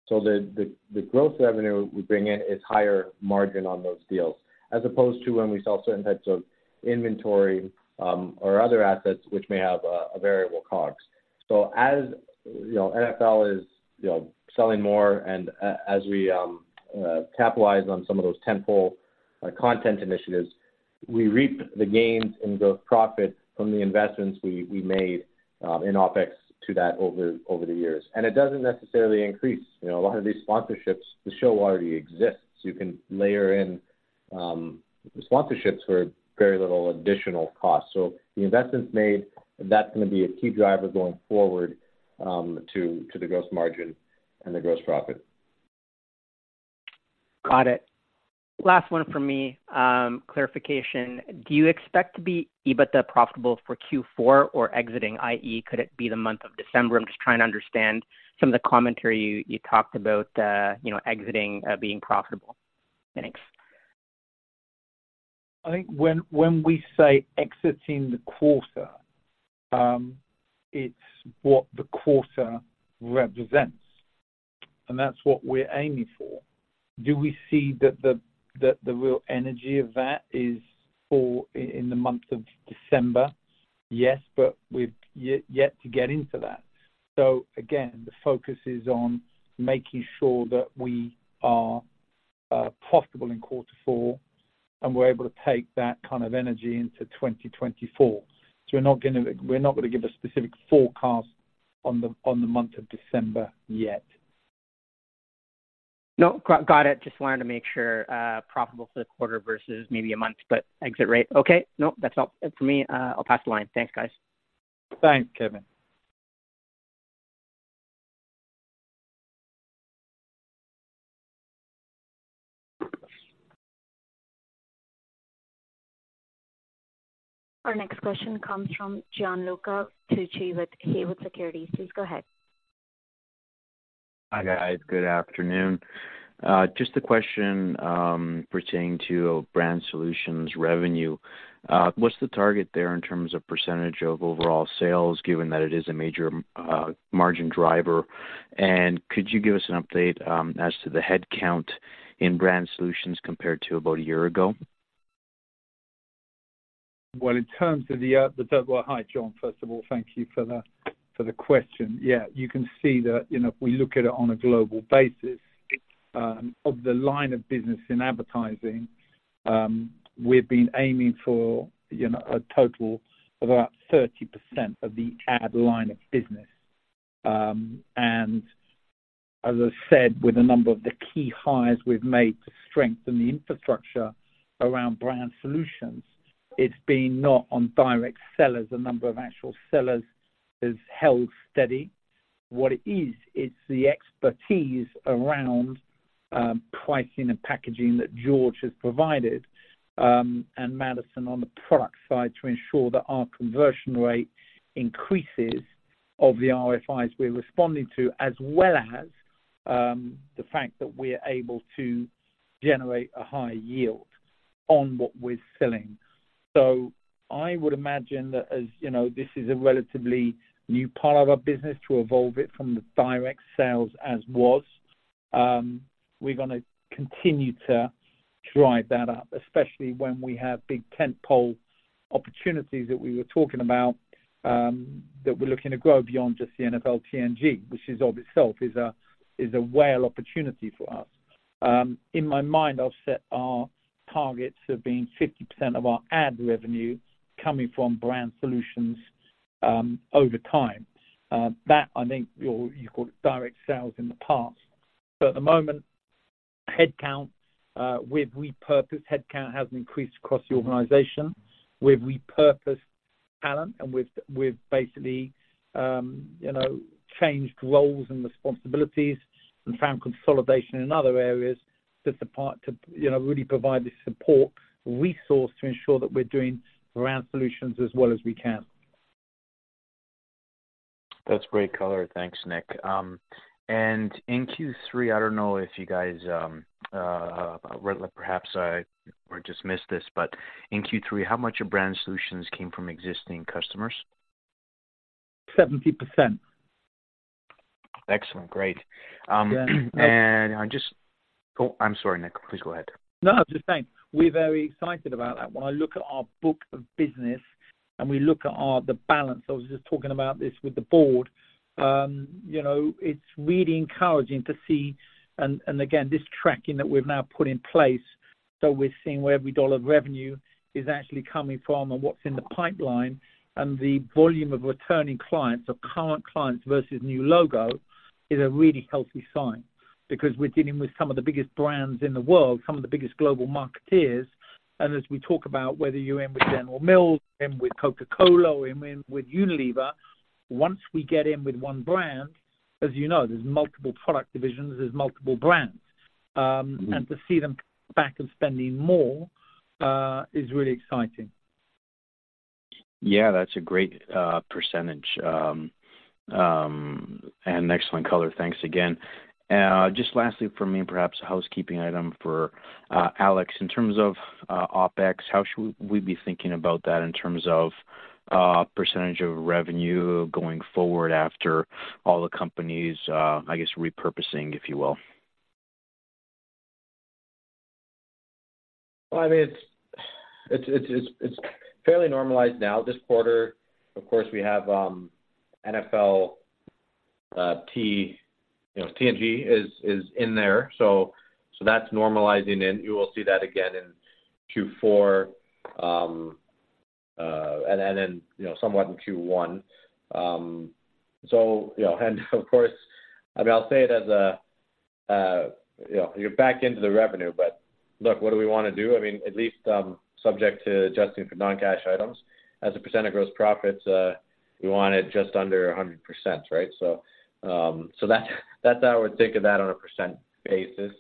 So the growth revenue we bring in is higher margin on those deals, as opposed to when we sell certain types of inventory, or other assets which may have a variable cost. So as you know, NFL is, you know, selling more and as we capitalize on some of those tentpole content initiatives, we reap the gains and the profit from the investments we made in OpEx to that over the years. And it doesn't necessarily increase. You know, a lot of these sponsorships, the show already exists. You can layer in sponsorships for very little additional cost. So the investments made, that's going to be a key driver going forward to the gross margin and the gross profit. Got it. Last one from me, clarification. Do you expect to be EBITDA profitable for Q4 or exiting? i.e., could it be the month of December? I'm just trying to understand some of the commentary you, you talked about, you know, exiting, being profitable. Thanks. I think when we say exiting the quarter, it's what the quarter represents, and that's what we're aiming for. Do we see that the real energy of that is for in the month of December? Yes, but we've yet to get into that. So again, the focus is on making sure that we are profitable in quarter four, and we're able to take that kind of energy into 2024. So we're not gonna give a specific forecast on the month of December yet. No, got, got it. Just wanted to make sure, profitable for the quarter versus maybe a month, but exit rate. Okay. No, that's all for me. I'll pass the line. Thanks, guys. Thanks, Kevin. Our next question comes from Gianluca Tucci with Haywood Securities. Please go ahead. Hi, guys. Good afternoon. Just a question pertaining to Brand Solutions revenue. What's the target there in terms of percentage of overall sales, given that it is a major margin driver? And could you give us an update as to the headcount in Brand Solutions compared to about a year ago? Well, in terms of the. Well, hi, Gian. First of all, thank you for the, for the question. Yeah, you can see that, you know, if we look at it on a global basis, of the line of business in advertising, we've been aiming for, you know, a total of about 30% of the ad line of business. And as I said, with a number of the key hires we've made to strengthen the infrastructure around Brand Solutions, it's been not on direct sellers. The number of actual sellers has held steady. What it is, it's the expertise around, pricing and packaging that George has provided, and Madison on the product side, to ensure that our conversion rate increases of the RFIs we're responding to, as well as, the fact that we're able to generate a high yield on what we're selling. So I would imagine that as you know, this is a relatively new part of our business to evolve it from the direct sales as was, we're gonna continue to drive that up, especially when we have big tentpole opportunities that we were talking about, that we're looking to grow beyond just the NFL TNG, which is of itself, is a, is a whale opportunity for us. In my mind, I've set our targets of being 50% of our ad revenue coming from Brand Solutions, over time. That I think you call it direct sales in the past. But at the moment, headcount, we've repurposed headcount has increased across the organization. We've repurposed talent and we've basically, you know, changed roles and responsibilities and found consolidation in other areas to support, you know, really provide the support resource to ensure that we're doing Brand Solutions as well as we can. That's great color. Thanks, Nick. And in Q3, I don't know if you guys, perhaps I or just missed this, but in Q3, how much of Brand Solutions came from existing customers? 70%. Excellent. Great. Yeah. Oh, I'm sorry, Nick, please go ahead. No, I was just saying, we're very excited about that. When I look at our book of business and we look at our, the balance, I was just talking about this with the board. You know, it's really encouraging to see and again, this tracking that we've now put in place, so we're seeing where every dollar of revenue is actually coming from and what's in the pipeline. And the volume of returning clients or current clients versus new logo is a really healthy sign because we're dealing with some of the biggest brands in the world, some of the biggest global marketeers. And as we talk about whether you're in with General Mills, in with Coca-Cola, or in with Unilever, once we get in with one brand, as you know, there's multiple product divisions, there's multiple brands. To see them back and spending more is really exciting. Yeah, that's a great percentage. And excellent color. Thanks again. Just lastly for me, and perhaps a housekeeping item for Alex. In terms of OpEx, how should we be thinking about that in terms of percentage of revenue going forward after all the companies, I guess, repurposing, if you will? Well, I mean, it's fairly normalized now. This quarter, of course, we have NFL, T, you know, TNG is in there, so that's normalizing in. You will see that again in Q4, and then, you know, somewhat in Q1. So, you know, and of course, I mean, I'll say it as a, you know, you're back into the revenue. But look, what do we wanna do? I mean, at least, subject to adjusting for non-cash items. As a percent of gross profits, we want it just under 100%, right? So, that, that's how I would think of that on a percent basis,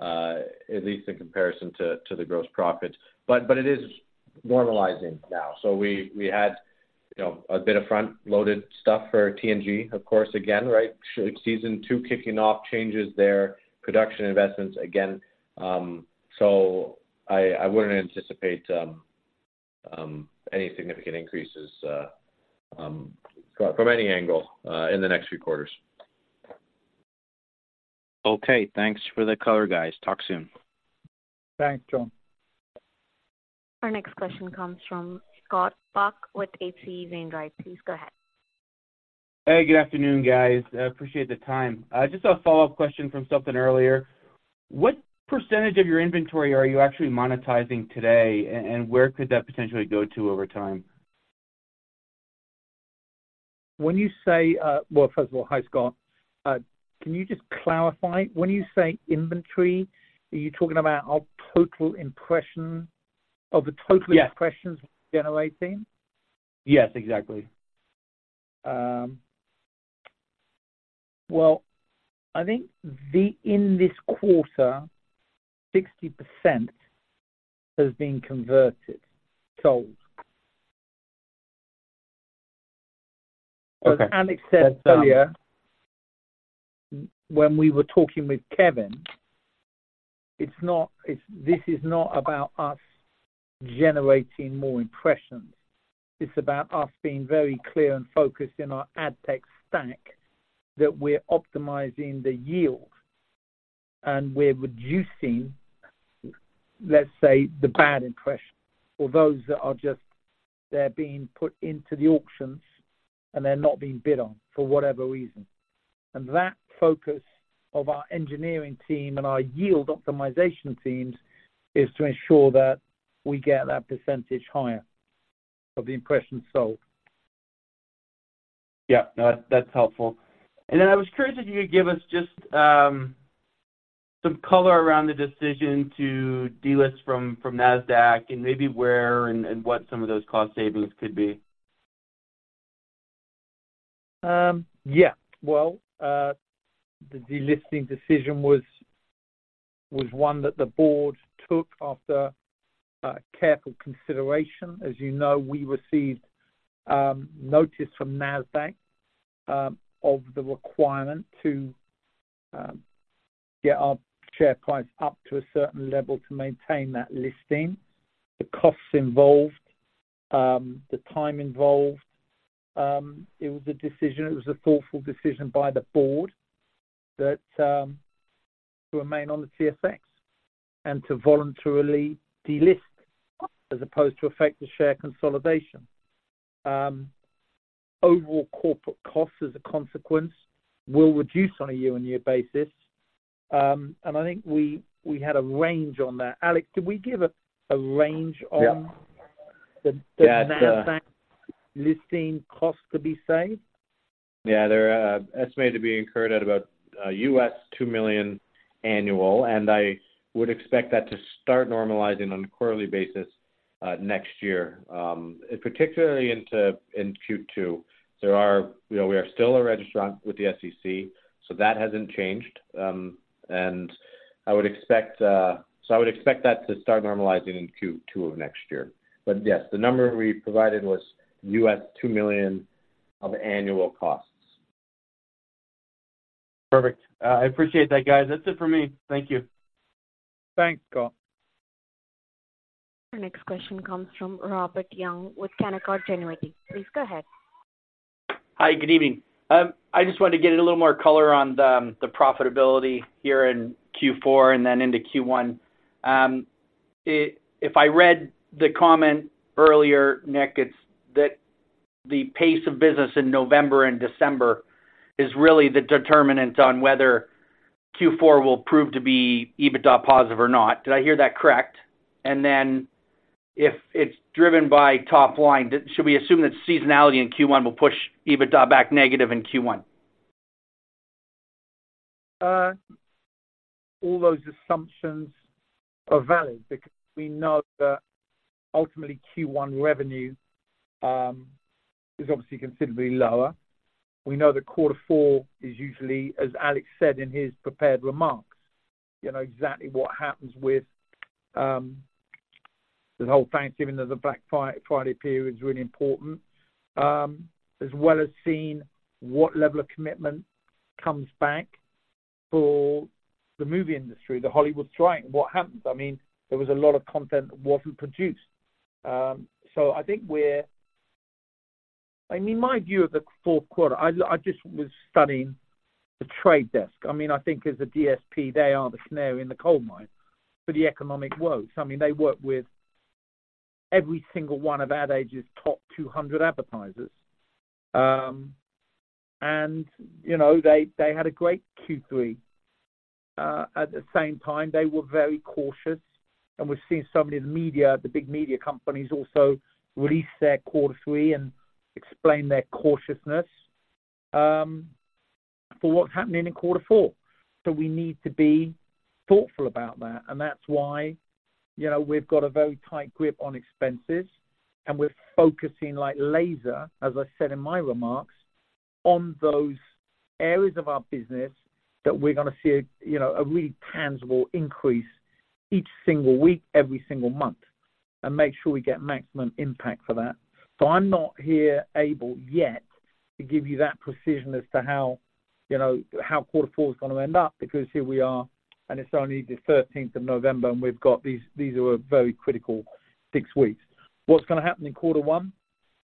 at least in comparison to the gross profits. But it is normalizing now. So we had, you know, a bit of front-loaded stuff for TNG, of course, again, right? Season two, kicking off changes there, production investments again. So I wouldn't anticipate any significant increases from any angle in the next few quarters. Okay, thanks for the color, guys. Talk soon. Thanks, Gian. Our next question comes from Scott Buck with H.C. Wainwright. Please go ahead. Hey, good afternoon, guys. I appreciate the time. Just a follow-up question from something earlier. What percentage of your inventory are you actually monetizing today, and where could that potentially go to over time? When you say, well, first of all, hi, Scott. Can you just clarify? When you say inventory, are you talking about our total impression, of the total- Yes impressions we're generating? Yes, exactly. Well, I think the, in this quarter, 60% has been converted, sold. Okay. As Alex said earlier, when we were talking with Kevin, it's not, it's—this is not about us generating more impressions. It's about us being very clear and focused in our ad tech stack, that we're optimizing the yield, and we're reducing, let's say, the bad impressions, or those that are just, they're being put into the auctions, and they're not being bid on for whatever reason. And that focus of our engineering team and our yield optimization teams is to ensure that we get that percentage higher of the impressions sold. Yeah, no, that's helpful. Then I was curious if you could give us just some color around the decision to delist from NASDAQ and maybe where and what some of those cost savings could be. Yeah. Well, the delisting decision was one that the board took after careful consideration. As you know, we received notice from NASDAQ of the requirement to get our share price up to a certain level to maintain that listing. The costs involved, the time involved, it was a thoughtful decision by the board that to remain on the CSE and to voluntarily delist as opposed to effect the share consolidation. Overall corporate costs, as a consequence, will reduce on a year-on-year basis. And I think we had a range on that. Alex, did we give a range on- Yeah the NASDAQ listing costs to be saved? Yeah, they're estimated to be incurred at about $2 million annual, and I would expect that to start normalizing on a quarterly basis next year, particularly into, in Q2. There are. You know, we are still a registrant with the SEC, so that hasn't changed. And I would expect. So I would expect that to start normalizing in Q2 of next year. But yes, the number we provided was $2 million of annual costs. Perfect. I appreciate that, guys. That's it for me. Thank you. Thanks, Scott. Our next question comes from Robert Young with Canaccord Genuity. Please go ahead. Hi, good evening. I just wanted to get a little more color on the, the profitability here in Q4 and then into Q1. If I read the comment earlier, Nick, it's that the pace of business in November and December is really the determinant on whether Q4 will prove to be EBITDA positive or not. Did I hear that correct? And then if it's driven by top line, should we assume that seasonality in Q1 will push EBITDA back negative in Q1? All those assumptions are valid because we know that ultimately, Q1 revenue is obviously considerably lower. We know that quarter four is usually, as Alex said in his prepared remarks... You know, exactly what happens with the whole Thanksgiving to the Black Friday period is really important. As well as seeing what level of commitment comes back for the movie industry, the Hollywood strike, what happens? I mean, there was a lot of content that wasn't produced. So I think we're, I mean, my view of the fourth quarter, I just was studying The Trade Desk. I mean, I think as a DSP, they are the canary in the coal mine for the economic woes. I mean, they work with every single one of Ad Age's top 200 advertisers. And, you know, they had a great Q3. At the same time, they were very cautious, and we've seen some of the media, the big media companies also release their quarter three and explain their cautiousness for what's happening in quarter four. So we need to be thoughtful about that, and that's why, you know, we've got a very tight grip on expenses, and we're focusing like laser, as I said in my remarks, on those areas of our business that we're gonna see a, you know, a really tangible increase each single week, every single month, and make sure we get maximum impact for that. So I'm not here able yet to give you that precision as to how, you know, how quarter four is gonna end up, because here we are, and it's only the thirteenth of November, and we've got these, these are a very critical six weeks. What's gonna happen in quarter one?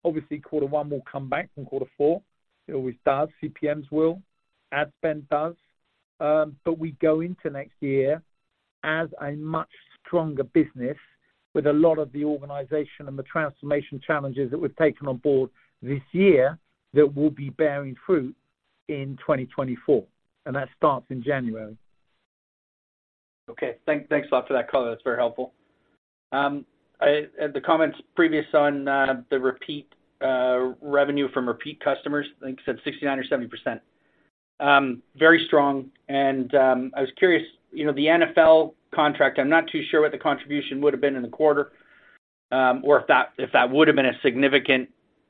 Obviously, quarter one will come back from quarter four. It always does. CPMs will, ad spend does, but we go into next year as a much stronger business, with a lot of the organization and the transformation challenges that we've taken on board this year, that will be bearing fruit in 2024, and that starts in January. Okay. Thanks a lot for that color. That's very helpful. The comments previous on the repeat revenue from repeat customers, I think you said 69% or 70%. Very strong, and I was curious, you know, the NFL contract, I'm not too sure what the contribution would have been in the quarter, or if that would have been a significant,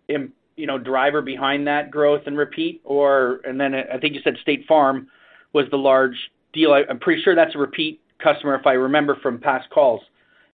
you know, driver behind that growth in repeat, or... And then I think you said State Farm was the large deal. I'm pretty sure that's a repeat customer, if I remember from past calls.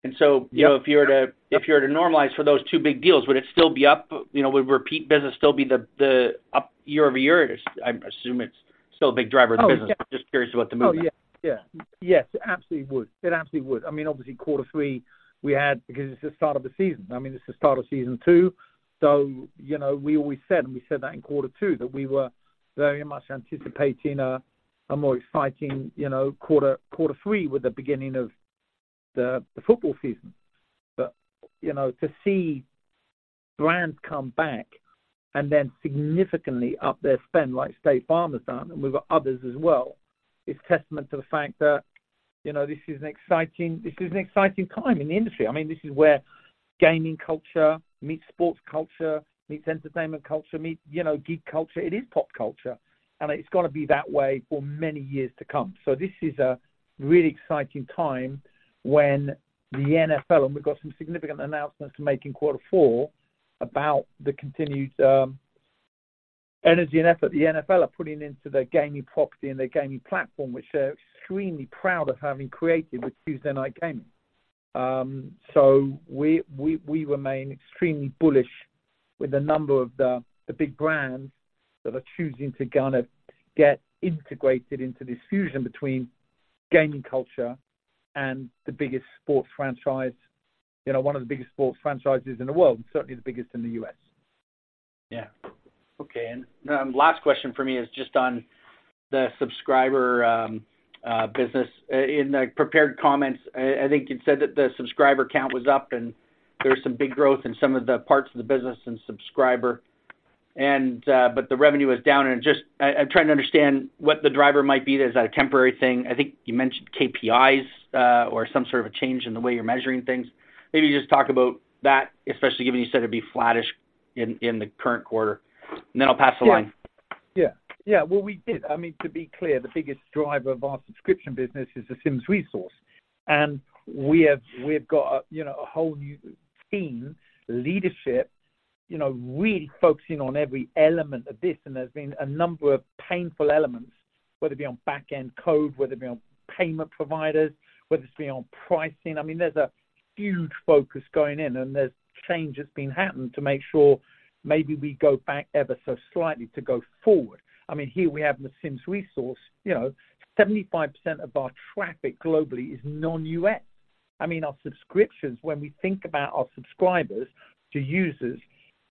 And so- Yeah You know, if you were to, if you were to normalize for those two big deals, would it still be up? You know, would repeat business still be the up year-over-year? I assume it's still a big driver of the business. Oh, yeah. Just curious about the movement. Oh, yeah. Yeah. Yes, it absolutely would. It absolutely would. I mean, obviously, quarter three, we had, because it's the start of the Season. I mean, it's the start of Season two, so, you know, we always said, and we said that in quarter two, that we were very much anticipating a, a more exciting, you know, quarter, quarter three with the beginning of the, the football season. But, you know, to see brands come back and then significantly up their spend, like State Farm has done, and we've got others as well, is testament to the fact that, you know, this is an exciting, this is an exciting time in the industry. I mean, this is where gaming culture meets sports culture, meets entertainment culture, meet, you know, geek culture. It is pop culture, and it's gonna be that way for many years to come. So this is a really exciting time when the NFL, and we've got some significant announcements to make in quarter four, about the continued energy and effort the NFL are putting into their gaming property and their gaming platform, which they're extremely proud of having created with Tuesday Night Gaming. So we remain extremely bullish with a number of the big brands that are choosing to kind of get integrated into this fusion between gaming culture and the biggest sports franchise, you know, one of the biggest sports franchises in the world, and certainly the biggest in the U.S. Yeah. Okay, and last question for me is just on the subscriber business. In the prepared comments, I, I think you'd said that the subscriber count was up, and there was some big growth in some of the parts of the business and subscriber, and but the revenue was down, and just... I'm trying to understand what the driver might be. Is that a temporary thing? I think you mentioned KPIs, or some sort of a change in the way you're measuring things. Maybe just talk about that, especially given you said it'd be flattish in the current quarter, and then I'll pass the line. Yeah. Yeah, well, we did. I mean, to be clear, the biggest driver of our subscription business is The Sims Resource, and we have, we've got a, you know, a whole new team, leadership, you know, really focusing on every element of this, and there's been a number of painful elements, whether it be on back-end code, whether it be on payment providers, whether it's been on pricing. I mean, there's a huge focus going in, and there's change that's been happening to make sure maybe we go back ever so slightly to go forward. I mean, here we have The Sims Resource, you know, 75% of our traffic globally is non-U.S. I mean, our subscriptions, when we think about our subscribers to users,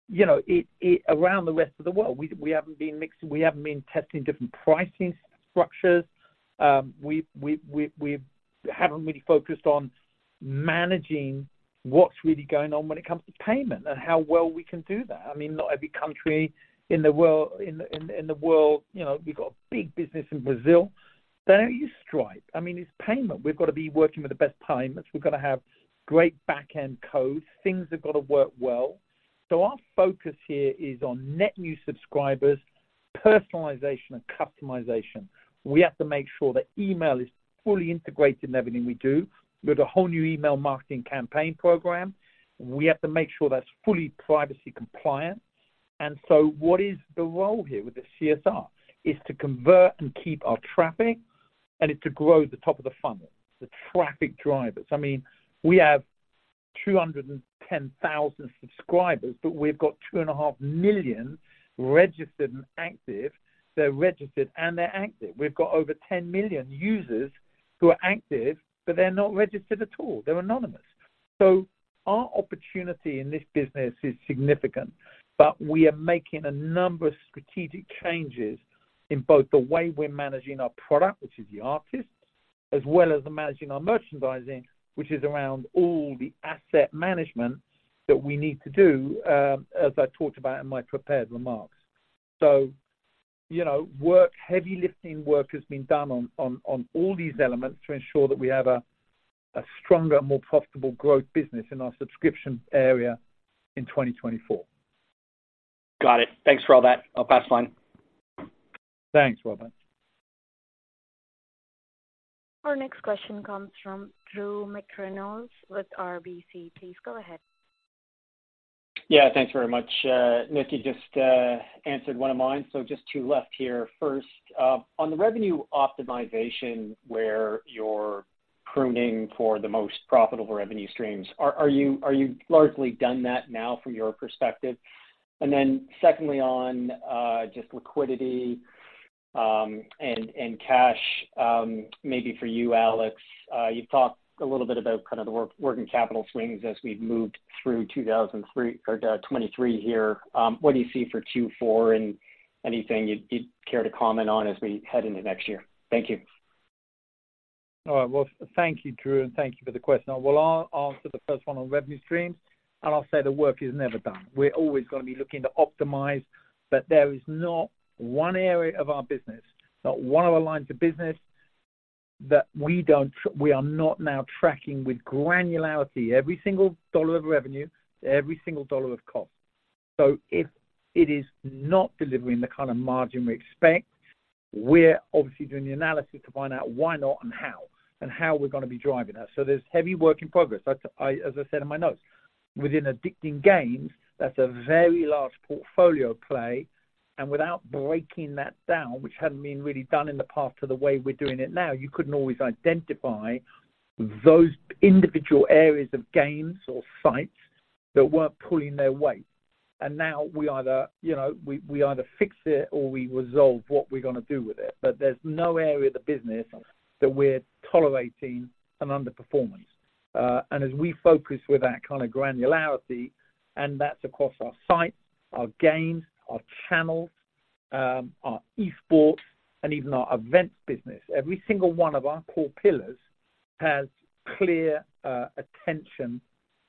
you know, it, around the rest of the world, we haven't been mixing, we haven't been testing different pricing structures. We've, we haven't really focused on managing what's really going on when it comes to payment and how well we can do that. I mean, not every country in the world, you know, we've got big business in Brazil. They don't use Stripe. I mean, it's payment. We've got to be working with the best payments. We've got to have great back-end code. Things have got to work well. So our focus here is on net new subscribers, personalization, and customization. We have to make sure that email is fully integrated in everything we do. We've got a whole new email marketing campaign program. We have to make sure that's fully privacy compliant. And so what is the role here with the TSR? It's to convert and keep our traffic, and it's to grow the top of the funnel, the traffic drivers. I mean, we have 210,000 subscribers, but we've got 2.5 million registered and active. They're registered and they're active. We've got over 10 million users who are active, but they're not registered at all; they're anonymous. So our opportunity in this business is significant, but we are making a number of strategic changes in both the way we're managing our product, which is the artists, as well as managing our merchandising, which is around all the asset management that we need to do, as I talked about in my prepared remarks. So, you know, heavy lifting work has been done on all these elements to ensure that we have a stronger and more profitable growth business in our subscription area in 2024. Got it. Thanks for all that. I'll pass the line. Thanks, Robert. Our next question comes from Drew McReynolds with RBC. Please go ahead. Yeah, thanks very much. Nick, you just answered one of mine, so just two left here. First, on the revenue optimization, where you're pruning for the most profitable revenue streams, are you largely done that now from your perspective? And then secondly, on just liquidity, and cash, maybe for you, Alex. You've talked a little bit about kind of the working capital swings as we've moved through 2023 here. What do you see for Q4 and anything you'd care to comment on as we head into next year? Thank you. All right. Well, thank you, Drew, and thank you for the question. I will answer the first one on revenue streams, and I'll say the work is never done. We're always gonna be looking to optimize, but there is not one area of our business, not one of our lines of business, that we are not now tracking with granularity, every single dollar of revenue to every single dollar of cost. So if it is not delivering the kind of margin we expect, we're obviously doing the analysis to find out why not and how, and how we're gonna be driving that. So there's heavy work in progress, that's as I said in my notes. Within Addicting Games, that's a very large portfolio play, and without breaking that down, which hadn't been really done in the past to the way we're doing it now, you couldn't always identify those individual areas of games or sites that weren't pulling their weight. And now we either, you know, fix it or we resolve what we're gonna do with it. But there's no area of the business that we're tolerating an underperformance. And as we focus with that kind of granularity, and that's across our sites, our games, our channels, our esports, and even our events business, every single one of our core pillars has clear attention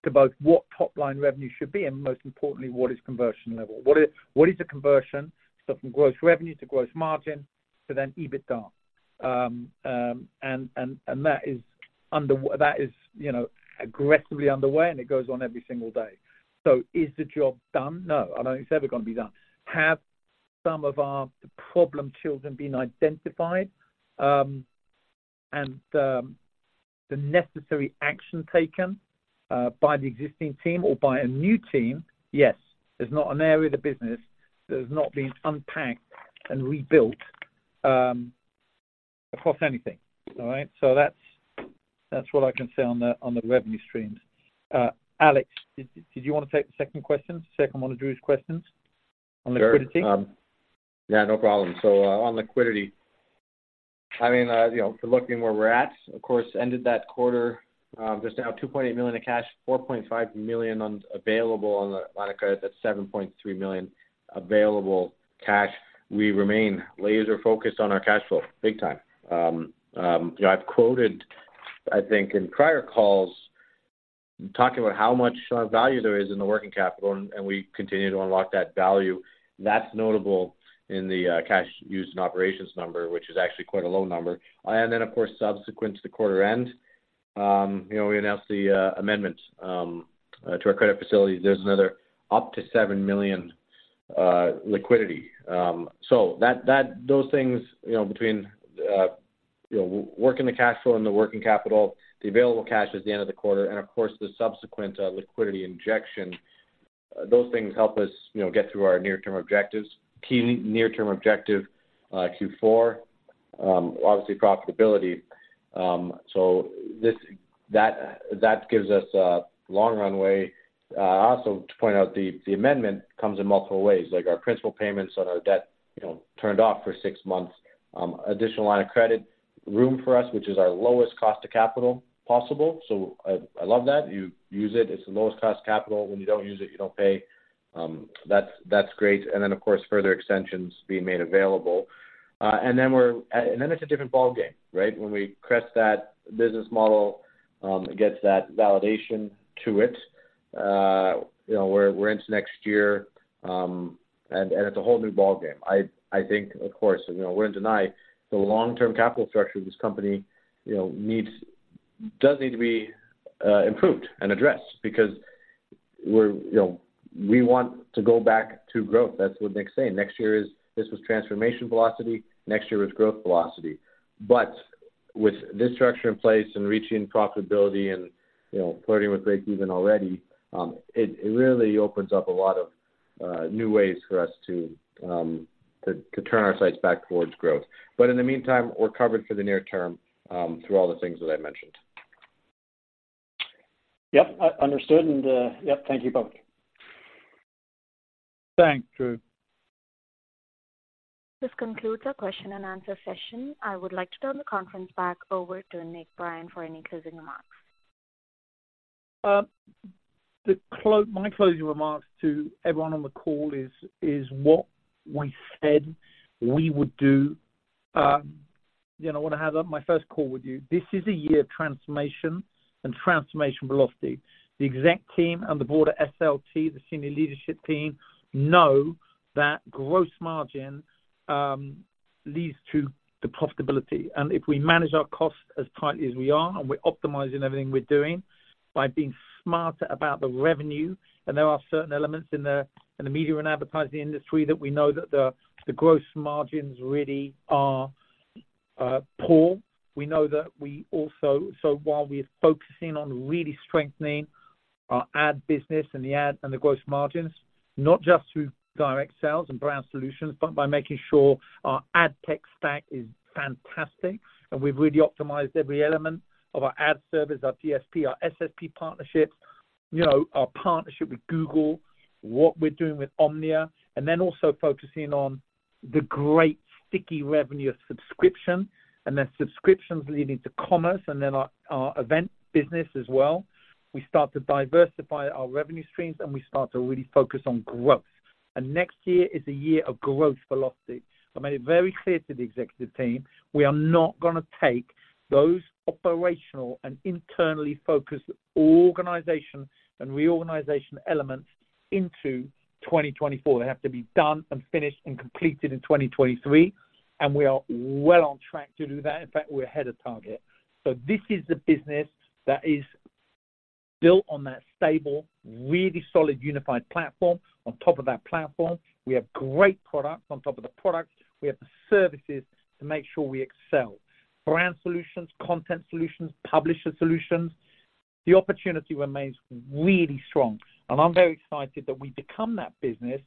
to both what top-line revenue should be, and most importantly, what is conversion level. What is the conversion from gross revenue to gross margin to then EBITDA? That is, you know, aggressively underway, and it goes on every single day. So is the job done? No, I don't think it's ever gonna be done. Have some of our, the problem children been identified, and the necessary action taken, by the existing team or by a new team? Yes. There's not an area of the business that has not been unpacked and rebuilt, across anything. All right? So that's what I can say on the revenue streams. Alex, did you want to take the second question, second one of Drew's questions on liquidity? Sure. Yeah, no problem. So, on liquidity, I mean, you know, if you're looking where we're at, of course, ended that quarter, just to have 2.8 million in cash, 4.5 million available on the line of credit, that's 7.3 million available cash. We remain laser focused on our cash flow, big time. You know, I've quoted, I think, in prior calls, talking about how much value there is in the working capital, and we continue to unlock that value. That's notable in the cash used in operations number, which is actually quite a low number. And then, of course, subsequent to the quarter end, you know, we announced the amendment to our credit facility. There's another up to 7 million liquidity. So those things, you know, between, you know, working the cash flow and the working capital, the available cash at the end of the quarter, and of course, the subsequent, liquidity injection, those things help us, you know, get through our near-term objectives. Key near-term objective, Q4, obviously profitability. So this gives us a long runway. Also to point out, the amendment comes in multiple ways, like our principal payments on our debt, you know, turned off for six months. Additional line of credit room for us, which is our lowest cost of capital possible. So I love that. You use it, it's the lowest cost capital. When you don't use it, you don't pay. That's great. And then, of course, further extensions being made available. And then we're... And then it's a different ballgame, right? When we crest that business model, it gets that validation to it. You know, we're into next year, and it's a whole new ballgame. I think, of course, you know, we're in denial the long-term capital structure of this company, you know, needs does need to be improved and addressed because we're, you know, we want to go back to growth. That's what Nick's saying. Next year is, this was transformation velocity, next year is growth velocity. With this structure in place and reaching profitability and, you know, flirting with breakeven already, it really opens up a lot of new ways for us to turn our sights back towards growth. But in the meantime, we're covered for the near term, through all the things that I mentioned. Yep, understood, and yep, thank you both. Thanks, Drew. This concludes our question and answer session. I would like to turn the conference back over to Nick Brien for any closing remarks. The closing remarks to everyone on the call is what we said we would do. You know, when I had my first call with you, this is a year of transformation and transformation velocity. The exec team and the board at SLT, the senior leadership team, know that gross margin leads to the profitability. And if we manage our costs as tightly as we are, and we're optimizing everything we're doing by being smarter about the revenue, and there are certain elements in the media and advertising industry that we know that the gross margins really are poor. We know that we also, so while we're focusing on really strengthening our ad business and the ad and the gross margins, not just through direct sales and Brand Solutions, but by making sure our ad tech stack is fantastic, and we've really optimized every element of our ad servers, our DSP, our SSP partnerships, you know, our partnership with Google, what we're doing with Omnia, and then also focusing on the great sticky revenue of subscription, and then subscriptions leading to commerce, and then our event business as well. We start to diversify our revenue streams, and we start to really focus on growth. And next year is a year of growth velocity. I made it very clear to the executive team, we are not going to take those operational and internally focused organization and reorganization elements into 2024. They have to be done and finished and completed in 2023, and we are well on track to do that. In fact, we're ahead of target. So this is the business that is built on that stable, really solid, unified platform. On top of that platform, we have great products. On top of the products, we have the services to make sure we excel. Brand solutions, Content Solutions, Publisher Solutions, the opportunity remains really strong, and I'm very excited that we've become that business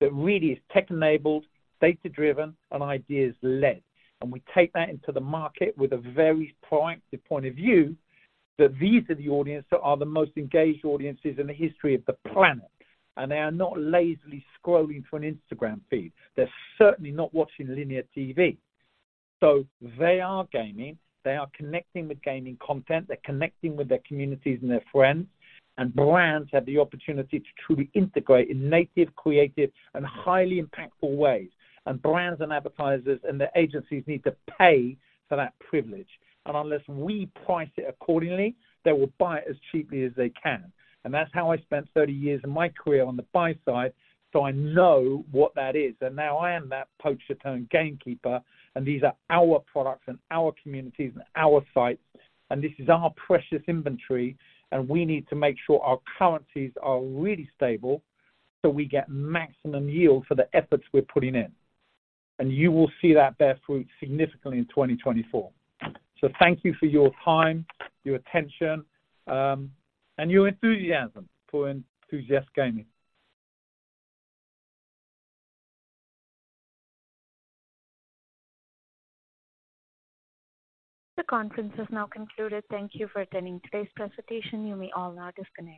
that really is tech-enabled, data-driven, and ideas-led. And we take that into the market with a very proactive point of view, that these are the audiences that are the most engaged audiences in the history of the planet, and they are not lazily scrolling through an Instagram feed. They're certainly not watching linear TV. So they are gaming, they are connecting with gaming content, they're connecting with their communities and their friends, and brands have the opportunity to truly integrate in native, creative, and highly impactful ways. And brands and advertisers and their agencies need to pay for that privilege. And unless we price it accordingly, they will buy it as cheaply as they can. And that's how I spent 30 years of my career on the buy side, so I know what that is. And now I am that poacher-turned-gamekeeper, and these are our products and our communities and our sites, and this is our precious inventory, and we need to make sure our currencies are really stable, so we get maximum yield for the efforts we're putting in. And you will see that bear fruit significantly in 2024. Thank you for your time, your attention, and your enthusiasm for Enthusiast Gaming. The conference is now concluded. Thank you for attending today's presentation. You may all now disconnect.